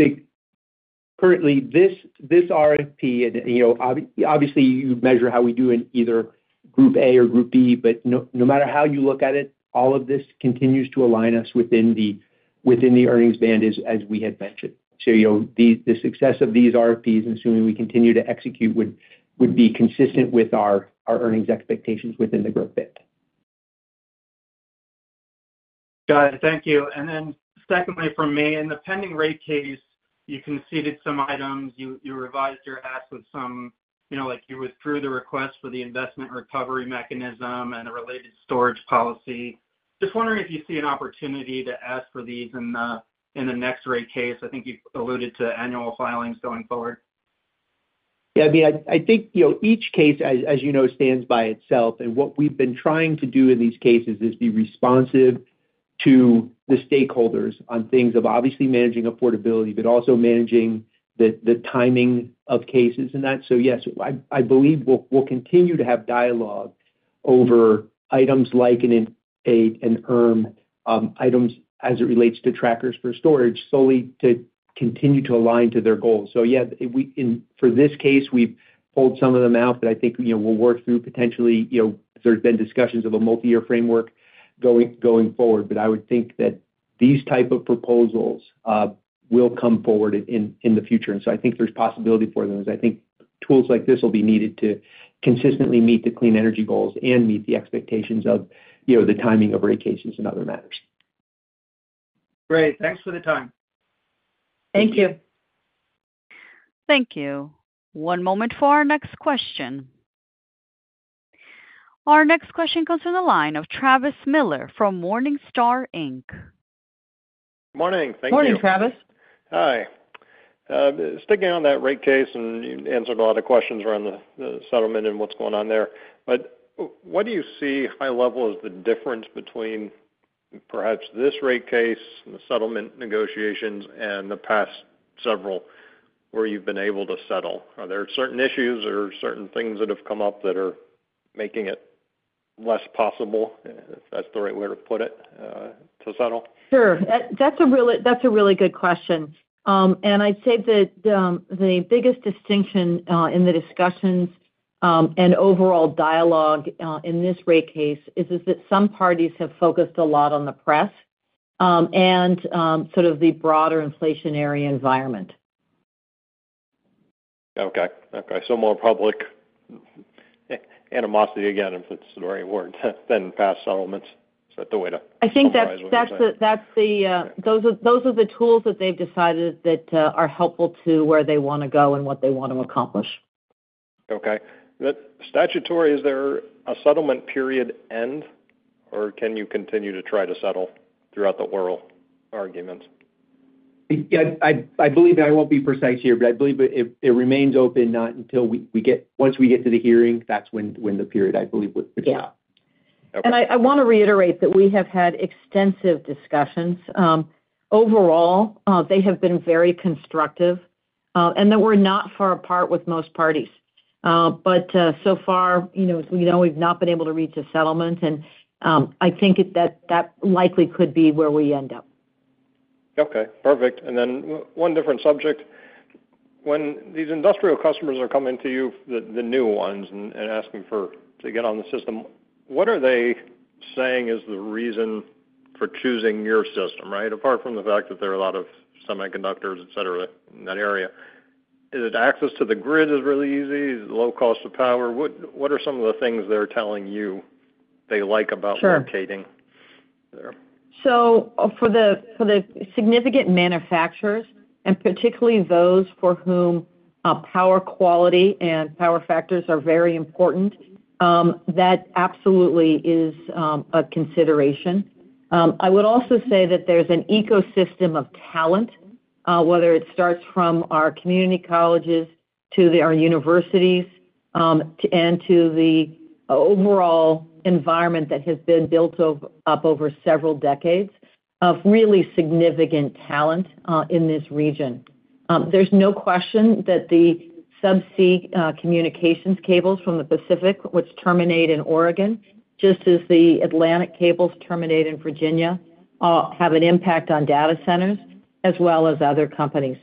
currently, this RFP and, you know, obviously, you measure how we do in either group A or group B, but no matter how you look at it, all of this continues to align us within the earnings band, as we had mentioned. So, you know, the success of these RFPs, assuming we continue to execute, would be consistent with our earnings expectations within the growth band. Got it. Thank you. And then secondly, from me, in the pending rate case, you conceded some items, you revised your ask with some, you know, like you withdrew the request for the investment recovery mechanism and a related storage policy. Just wondering if you see an opportunity to ask for these in the next rate case. I think you've alluded to annual filings going forward. Yeah, I mean, I think, you know, each case, as you know, stands by itself, and what we've been trying to do in these cases is be responsive to the stakeholders on things of obviously managing affordability, but also managing the timing of cases and that. So, yes, I believe we'll continue to have dialogue over items like an item as it relates to trackers for storage, solely to continue to align to their goals. So yeah, for this case, we've pulled some of them out, but I think, you know, we'll work through potentially, you know, there's been discussions of a multi-year framework going forward. But I would think that these type of proposals will come forward in the future. And so I think there's possibility for those. I think tools like this will be needed to consistently meet the clean energy goals and meet the expectations of, you know, the timing of rate cases and other matters. Great. Thanks for the time. Thank you. Thank you. One moment for our next question. Our next question comes from the line of Travis Miller from Morningstar Inc. Morning. Thank you. Morning, Travis. Hi. Sticking on that rate case, and you answered a lot of questions around the settlement and what's going on there. But what do you see high level as the difference between perhaps this rate case and the settlement negotiations and the past several, where you've been able to settle? Are there certain issues or certain things that have come up that are making it less possible, if that's the right way to put it, to settle? Sure. That's a really good question, and I'd say that the biggest distinction in the discussions and overall dialogue in this rate case is that some parties have focused a lot on the pressure and sort of the broader inflationary environment. Okay, so more public animosity, again, if it's the right word, than past settlements. Is that the way to- I think those are the tools that they've decided that are helpful to where they want to go and what they want to accomplish. Okay. The statutory, is there a settlement period end, or can you continue to try to settle throughout the oral arguments? Yeah, I believe, and I won't be precise here, but I believe it remains open, not until we get. Once we get to the hearing, that's when the period, I believe, would stop. Yeah. Okay. And I want to reiterate that we have had extensive discussions. Overall, they have been very constructive, and that we're not far apart with most parties. But so far, you know, we know we've not been able to reach a settlement, and I think that likely could be where we end up. Okay, perfect. And then one different subject. When these industrial customers are coming to you, the new ones, and asking to get on the system, what are they saying is the reason for choosing your system, right? Apart from the fact that there are a lot of semiconductors, et cetera, in that area. Is it access to the grid is really easy, low cost of power? What are some of the things they're telling you they like about- Sure - locating there? So for the significant manufacturers, and particularly those for whom power quality and power factors are very important, that absolutely is a consideration. I would also say that there's an ecosystem of talent, whether it starts from our community colleges to our universities, and to the overall environment that has been built over several decades of really significant talent in this region. There's no question that the subsea communications cables from the Pacific, which terminate in Oregon, just as the Atlantic cables terminate in Virginia, have an impact on data centers as well as other companies.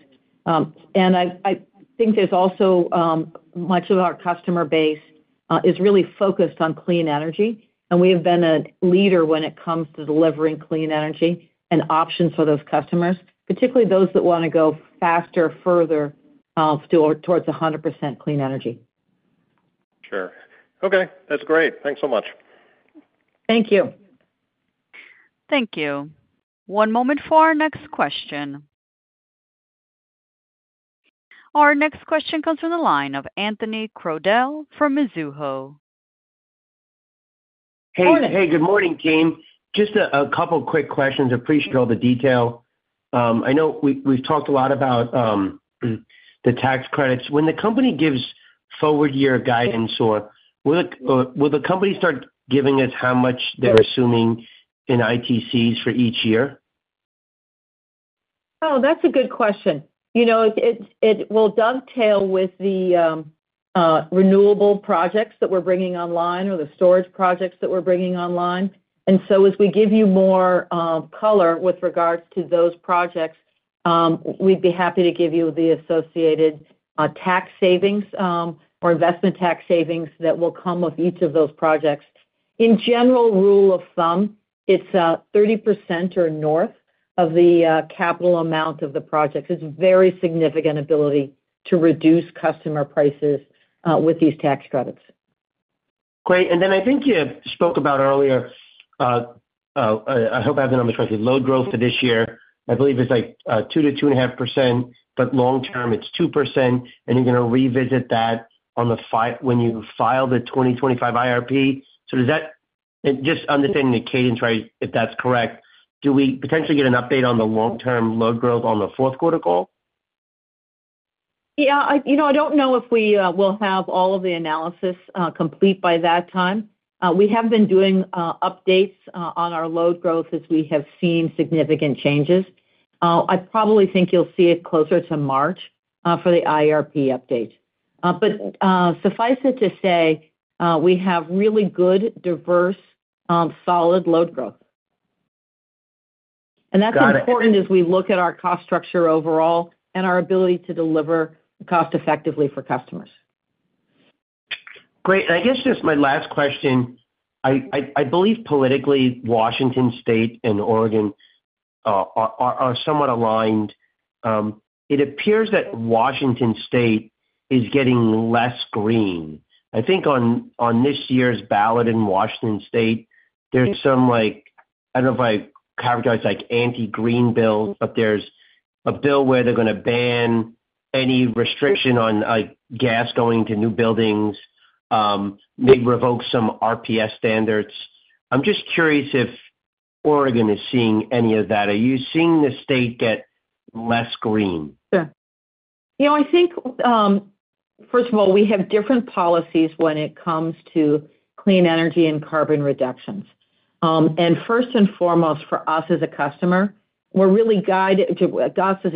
And I think there's also much of our customer base is really focused on clean energy, and we have been a leader when it comes to delivering clean energy and options for those customers, particularly those that want to go faster, further toward 100% clean energy. Sure. Okay, that's great. Thanks so much. Thank you. Thank you. One moment for our next question. Our next question comes from the line of Anthony Crowdell from Mizuho. Hey, hey, good morning, team. Just a couple quick questions. Appreciate all the detail. I know we've talked a lot about the tax credits. When the company gives forward-year guidance, will the company start giving us how much they're assuming in ITCs for each year? Oh, that's a good question. You know, it will dovetail with the renewable projects that we're bringing online or the storage projects that we're bringing online. And so as we give you more color with regards to those projects, we'd be happy to give you the associated tax savings or investment tax savings that will come with each of those projects. In general, rule of thumb, it's 30% or north of the capital amount of the project. It's a very significant ability to reduce customer prices with these tax credits. Great. And then I think you spoke about earlier, I hope I have the numbers right, the load growth for this year. I believe it's like two to two and a half percent, but long term, it's two percent, and you're going to revisit that when you file the 2025 IRP. So does that just understanding the cadence, right, if that's correct, do we potentially get an update on the long-term load growth on the fourth quarter call? Yeah, you know, I don't know if we will have all of the analysis complete by that time. We have been doing updates on our load growth as we have seen significant changes. I probably think you'll see it closer to March for the IRP update. But suffice it to say we have really good, diverse, solid load growth. Got it. That's important as we look at our cost structure overall and our ability to deliver cost effectively for customers. Great. I guess just my last question: I believe politically, Washington State and Oregon are somewhat aligned. It appears that Washington State is getting less green. I think on this year's ballot in Washington State, there's some, like, I don't know if I'd characterize, like, anti-green bills, but there's a bill where they're going to ban any restriction on, like, gas going to new buildings, maybe revoke some RPS standards. I'm just curious if Oregon is seeing any of that. Are you seeing the state get less green? Sure. You know, I think, first of all, we have different policies when it comes to clean energy and carbon reductions. And first and foremost, for us as a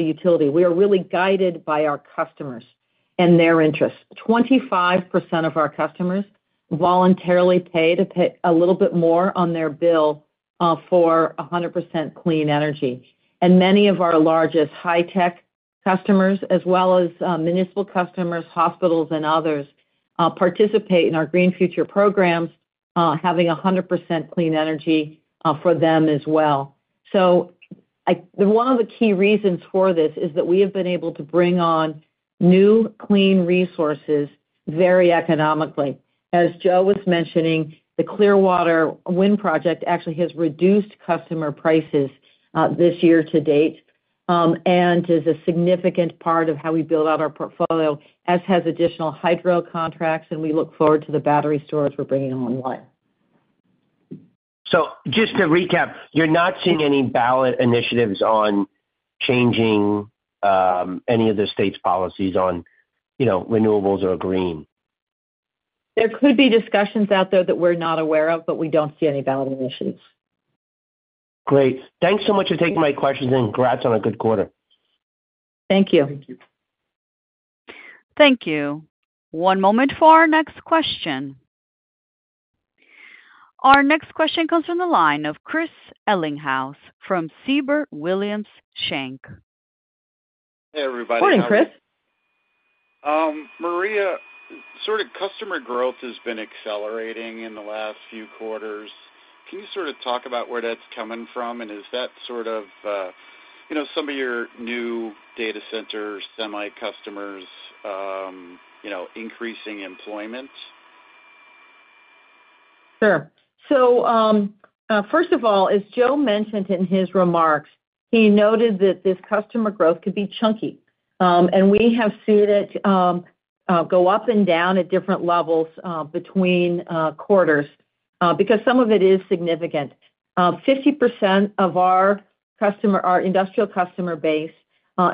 utility, we are really guided by our customers and their interests. 25% of our customers voluntarily pay a little bit more on their bill for 100% clean energy. And many of our largest high tech customers, as well as municipal customers, hospitals, and others, participate in our Green Future programs, having 100% clean energy for them as well. One of the key reasons for this is that we have been able to bring on new, clean resources very economically. As Joe was mentioning, the Clearwater Wind Project actually has reduced customer prices this year to date, and is a significant part of how we build out our portfolio, as has additional hydro contracts, and we look forward to the battery storage we're bringing online. So just to recap, you're not seeing any ballot initiatives on changing any of the state's policies on, you know, renewables or green? There could be discussions out there that we're not aware of, but we don't see any ballot initiatives. Great. Thanks so much for taking my questions, and congrats on a good quarter. Thank you. Thank you. One moment for our next question. Our next question comes from the line of Chris Ellinghaus from Siebert Williams Shank. Hey, everybody. Morning, Chris. Maria, sort of customer growth has been accelerating in the last few quarters. Can you sort of talk about where that's coming from, and is that sort of, you know, some of your new data centers, semi customers, you know, increasing employment? Sure. So, first of all, as Joe mentioned in his remarks, he noted that this customer growth could be chunky. And we have seen it go up and down at different levels between quarters because some of it is significant. 50% of our industrial customer base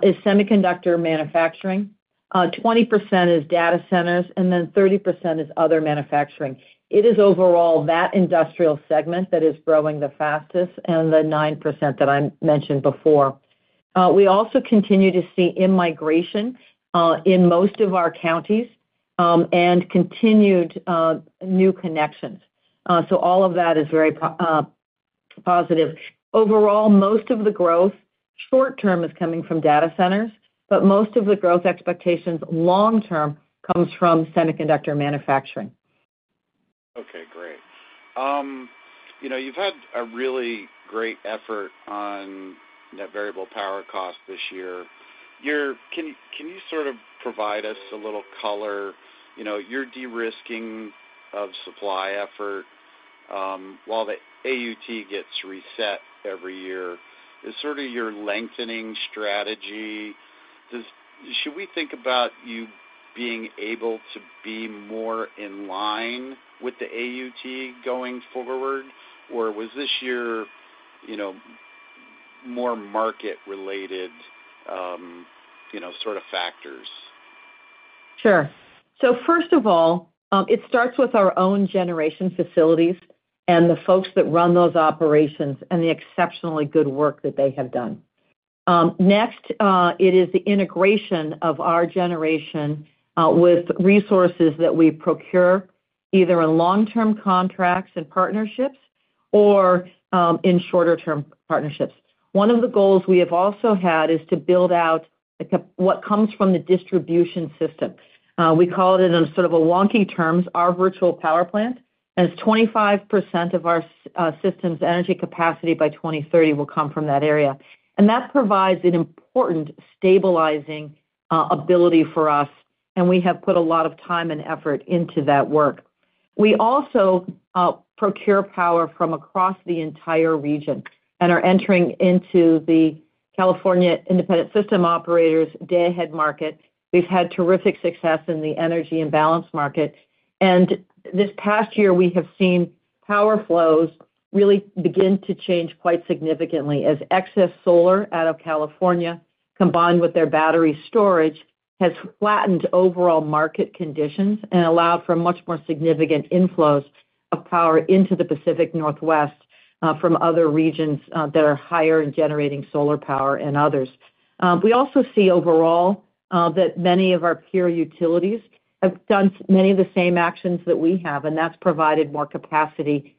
is semiconductor manufacturing, 20% is data centers, and then 30% is other manufacturing. It is overall that industrial segment that is growing the fastest and the 9% that I mentioned before. We also continue to see in-migration in most of our counties and continued new connections. So all of that is very positive. Overall, most of the growth, short term, is coming from data centers, but most of the growth expectations long term comes from semiconductor manufacturing. Okay, great. You know, you've had a really great effort on net variable power cost this year. Your-- can you sort of provide us a little color? You know, your de-risking of supply effort, while the AUT gets reset every year, is sort of your lengthening strategy. Should we think about you being able to be more in line with the AUT going forward? Or was this year, you know, more market-related, you know, sort of factors? Sure, so first of all, it starts with our own generation facilities and the folks that run those operations and the exceptionally good work that they have done. Next, it is the integration of our generation with resources that we procure, either in long-term contracts and partnerships or, in shorter-term partnerships. One of the goals we have also had is to build out what comes from the distribution system. We call it in a sort of a wonky terms, our virtual power plant, as 25% of our system's energy capacity by 2030 will come from that area, and that provides an important stabilizing ability for us, and we have put a lot of time and effort into that work. We also procure power from across the entire region and are entering into the California Independent System Operator Day-Ahead Market. We've had terrific success in the Energy Imbalance Market. And this past year, we have seen power flows really begin to change quite significantly as excess solar out of California, combined with their battery storage, has flattened overall market conditions and allowed for much more significant inflows of power into the Pacific Northwest from other regions that are higher in generating solar power and others. We also see overall that many of our peer utilities have done many of the same actions that we have, and that's provided more capacity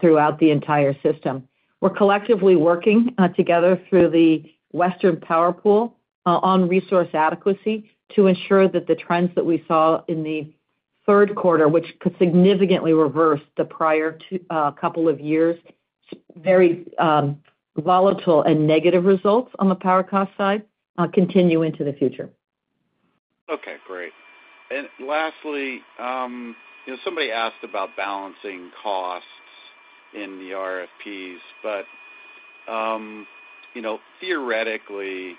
throughout the entire system. We're collectively working together through the Western Power Pool on resource adequacy to ensure that the trends that we saw in the third quarter, which could significantly reverse the prior couple of years, very volatile and negative results on the power cost side, continue into the future. Okay, great. And lastly, you know, somebody asked about balancing costs in the RFPs, but, you know, theoretically,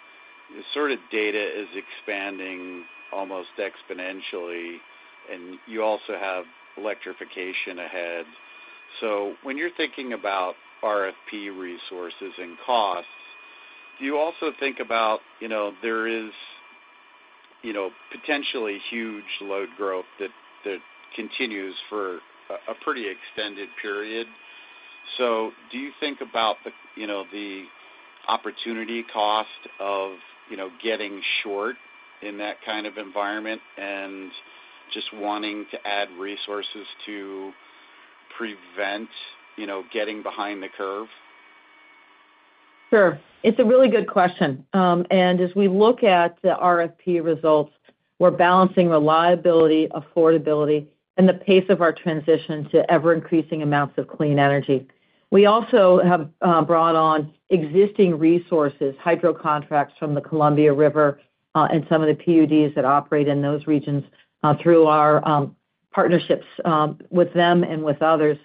the sort of data is expanding almost exponentially, and you also have electrification ahead. So when you're thinking about RFP resources and costs, do you also think about, you know, there is, you know, potentially huge load growth that continues for a pretty extended period? So do you think about the, you know, the opportunity cost of, you know, getting short in that kind of environment and just wanting to add resources to prevent, you know, getting behind the curve? Sure. It's a really good question. And as we look at the RFP results, we're balancing reliability, affordability, and the pace of our transition to ever-increasing amounts of clean energy. We also have brought on existing resources, hydro contracts from the Columbia River, and some of the PUDs that operate in those regions, through our partnerships with them and with others.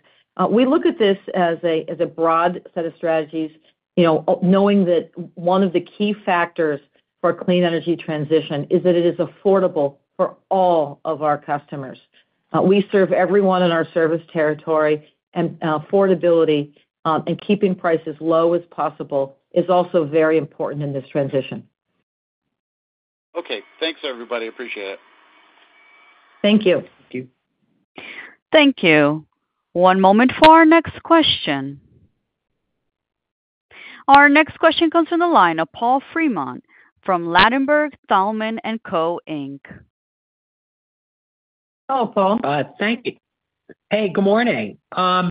We look at this as a broad set of strategies, you know, knowing that one of the key factors for clean energy transition is that it is affordable for all of our customers. We serve everyone in our service territory, and affordability and keeping prices low as possible is also very important in this transition. Okay, thanks, everybody. Appreciate it. Thank you. Thank you. Thank you. One moment for our next question. Our next question comes from the line of Paul Fremont from Ladenburg Thalmann & Co. Inc. Hello, Paul. Thank you. Hey, good morning. Good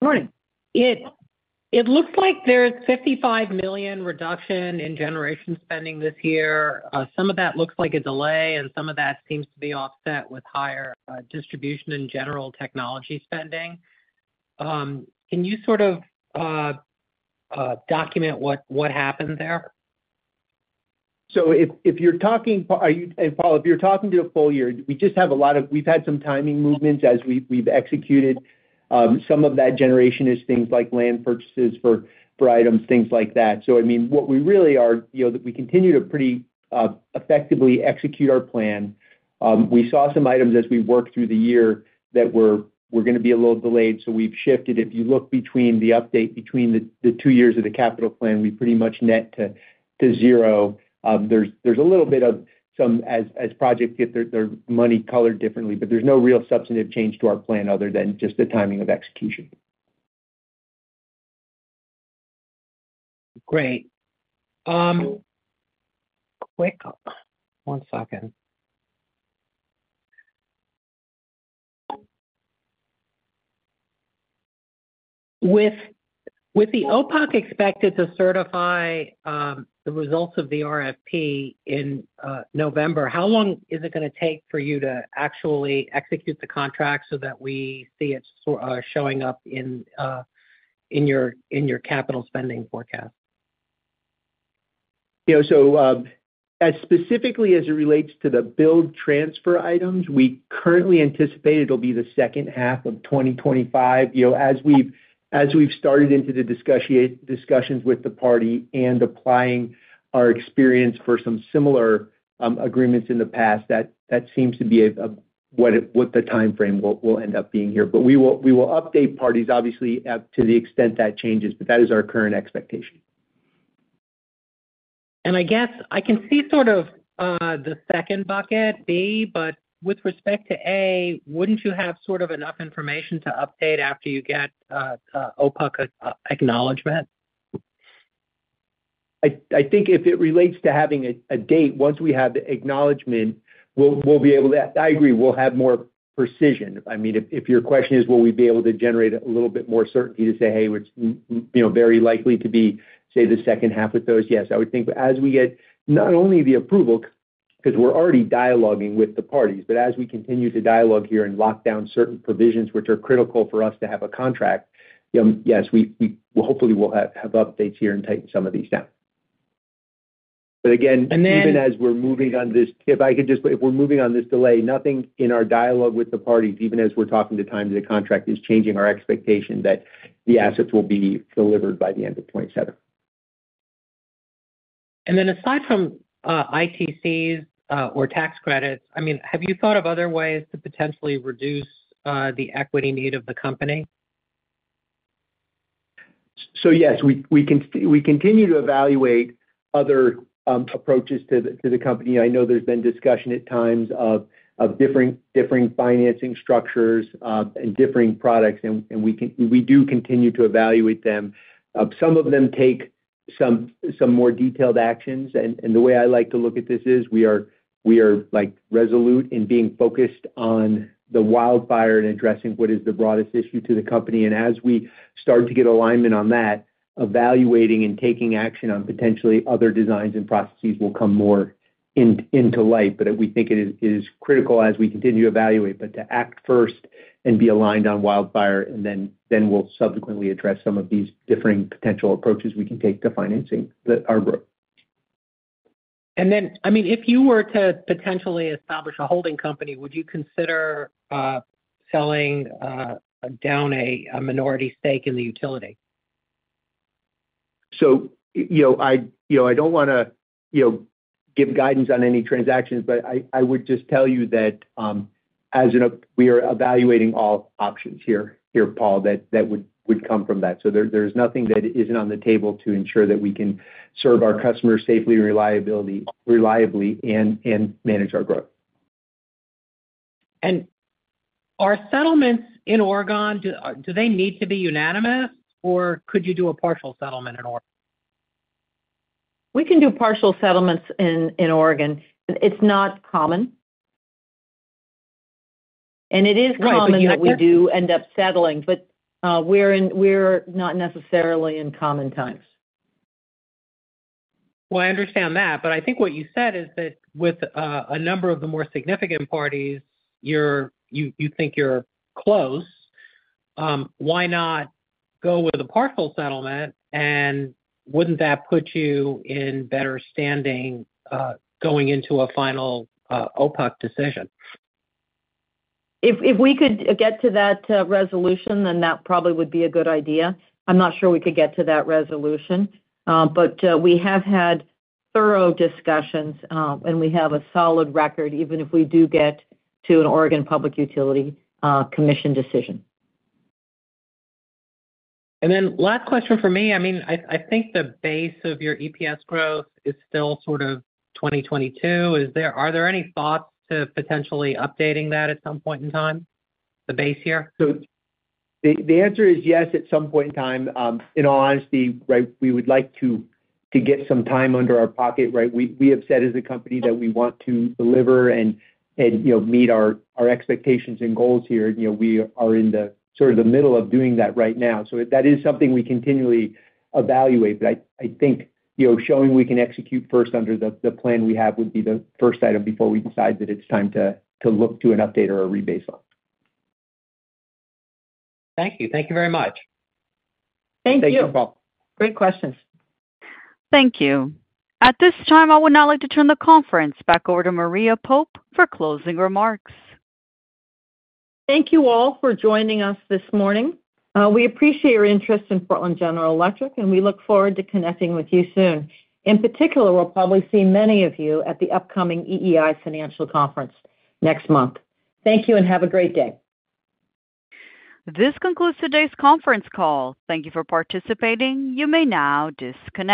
morning. It looks like there's a $55 million reduction in generation spending this year. Some of that looks like a delay, and some of that seems to be offset with higher distribution and general technology spending. Can you sort of document what happened there? So if you're talking, Paul, are you-- and Paul, if you're talking to a full year, we just have a lot of-- we've had some timing movements as we've executed. Some of that generation is things like land purchases for items, things like that. So I mean, what we really are, you know, that we continue to pretty effectively execute our plan. We saw some items as we worked through the year that were gonna be a little delayed, so we've shifted. If you look between the update between the two years of the capital plan, we pretty much net to zero. There's a little bit of some as projects get their money colored differently, but there's no real substantive change to our plan other than just the timing of execution. Great. With the OPUC expected to certify the results of the RFP in November, how long is it gonna take for you to actually execute the contract so that we see it showing up in your capital spending forecast? You know, so, as specifically as it relates to the build-transfer items, we currently anticipate it'll be the second half of 2025. You know, as we've started into the discussions with the party and applying our experience for some similar agreements in the past, that seems to be what the timeframe will end up being here. But we will update parties, obviously, to the extent that changes, but that is our current expectation. I guess I can see sort of the second bucket B, but with respect to A, wouldn't you have sort of enough information to update after you get OPUC acknowledgment? I think if it relates to having a date, once we have the acknowledgment, we'll be able to... I agree, we'll have more precision. I mean, if your question is, will we be able to generate a little bit more certainty to say, "Hey, it's, you know, very likely to be, say, the second half of those?" Yes, I would think. But as we get not only the approval, 'cause we're already dialoguing with the parties, but as we continue to dialogue here and lock down certain provisions which are critical for us to have a contract, yes, we hopefully will have updates here and tighten some of these down. But again- And then- Even as we're moving on this delay, nothing in our dialogue with the parties, even as we're talking at times, the contract is changing our expectation that the assets will be delivered by the end of 2027. Aside from ITCs or tax credits, I mean, have you thought of other ways to potentially reduce the equity need of the company? So, yes, we continue to evaluate other approaches to the company. I know there's been discussion at times of different, differing financing structures and differing products, and we do continue to evaluate them. Some of them take some more detailed actions. And the way I like to look at this is, we are resolute in being focused on the wildfire and addressing what is the broadest issue to the company. And as we start to get alignment on that, evaluating and taking action on potentially other designs and processes will come more into light. But we think it is critical as we continue to evaluate, but to act first and be aligned on wildfire, and then we'll subsequently address some of these differing potential approaches we can take to financing our growth. And then, I mean, if you were to potentially establish a holding company, would you consider selling down a minority stake in the utility? So, you know, I don't wanna, you know, give guidance on any transactions, but I would just tell you that, as an op, we are evaluating all options here, Paul, that would come from that. So there's nothing that isn't on the table to ensure that we can serve our customers safely and reliably and manage our growth. And are settlements in Oregon, do they need to be unanimous, or could you do a partial settlement in Oregon? We can do partial settlements in Oregon. It's not common, and it is common- Right. -that we do end up settling, but we're not necessarily in common times. Well, I understand that, but I think what you said is that with a number of the more significant parties, you think you're close. Why not go with a partial settlement? And wouldn't that put you in better standing going into a final OPUC decision? If we could get to that resolution, then that probably would be a good idea. I'm not sure we could get to that resolution. But we have had thorough discussions, and we have a solid record, even if we do get to an Oregon Public Utility Commission decision. And then last question for me. I mean, I think the base of your EPS growth is still sort of 2022. Are there any thoughts to potentially updating that at some point in time, the base year? So the answer is yes, at some point in time. In all honesty, right, we would like to get some time under our belt, right? We have said as a company that we want to deliver and you know, meet our expectations and goals here. You know, we are in the sort of the middle of doing that right now. So that is something we continually evaluate, but I think, you know, showing we can execute first under the plan we have would be the first item before we decide that it's time to look to an update or a rebase on. Thank you. Thank you very much. Thank you. Thank you, Paul. Great questions. Thank you. At this time, I would now like to turn the conference back over to Maria Pope for closing remarks. Thank you all for joining us this morning. We appreciate your interest in Portland General Electric, and we look forward to connecting with you soon. In particular, we'll probably see many of you at the upcoming EEI Financial Conference next month. Thank you and have a great day. This concludes today's conference call. Thank you for participating. You may now disconnect.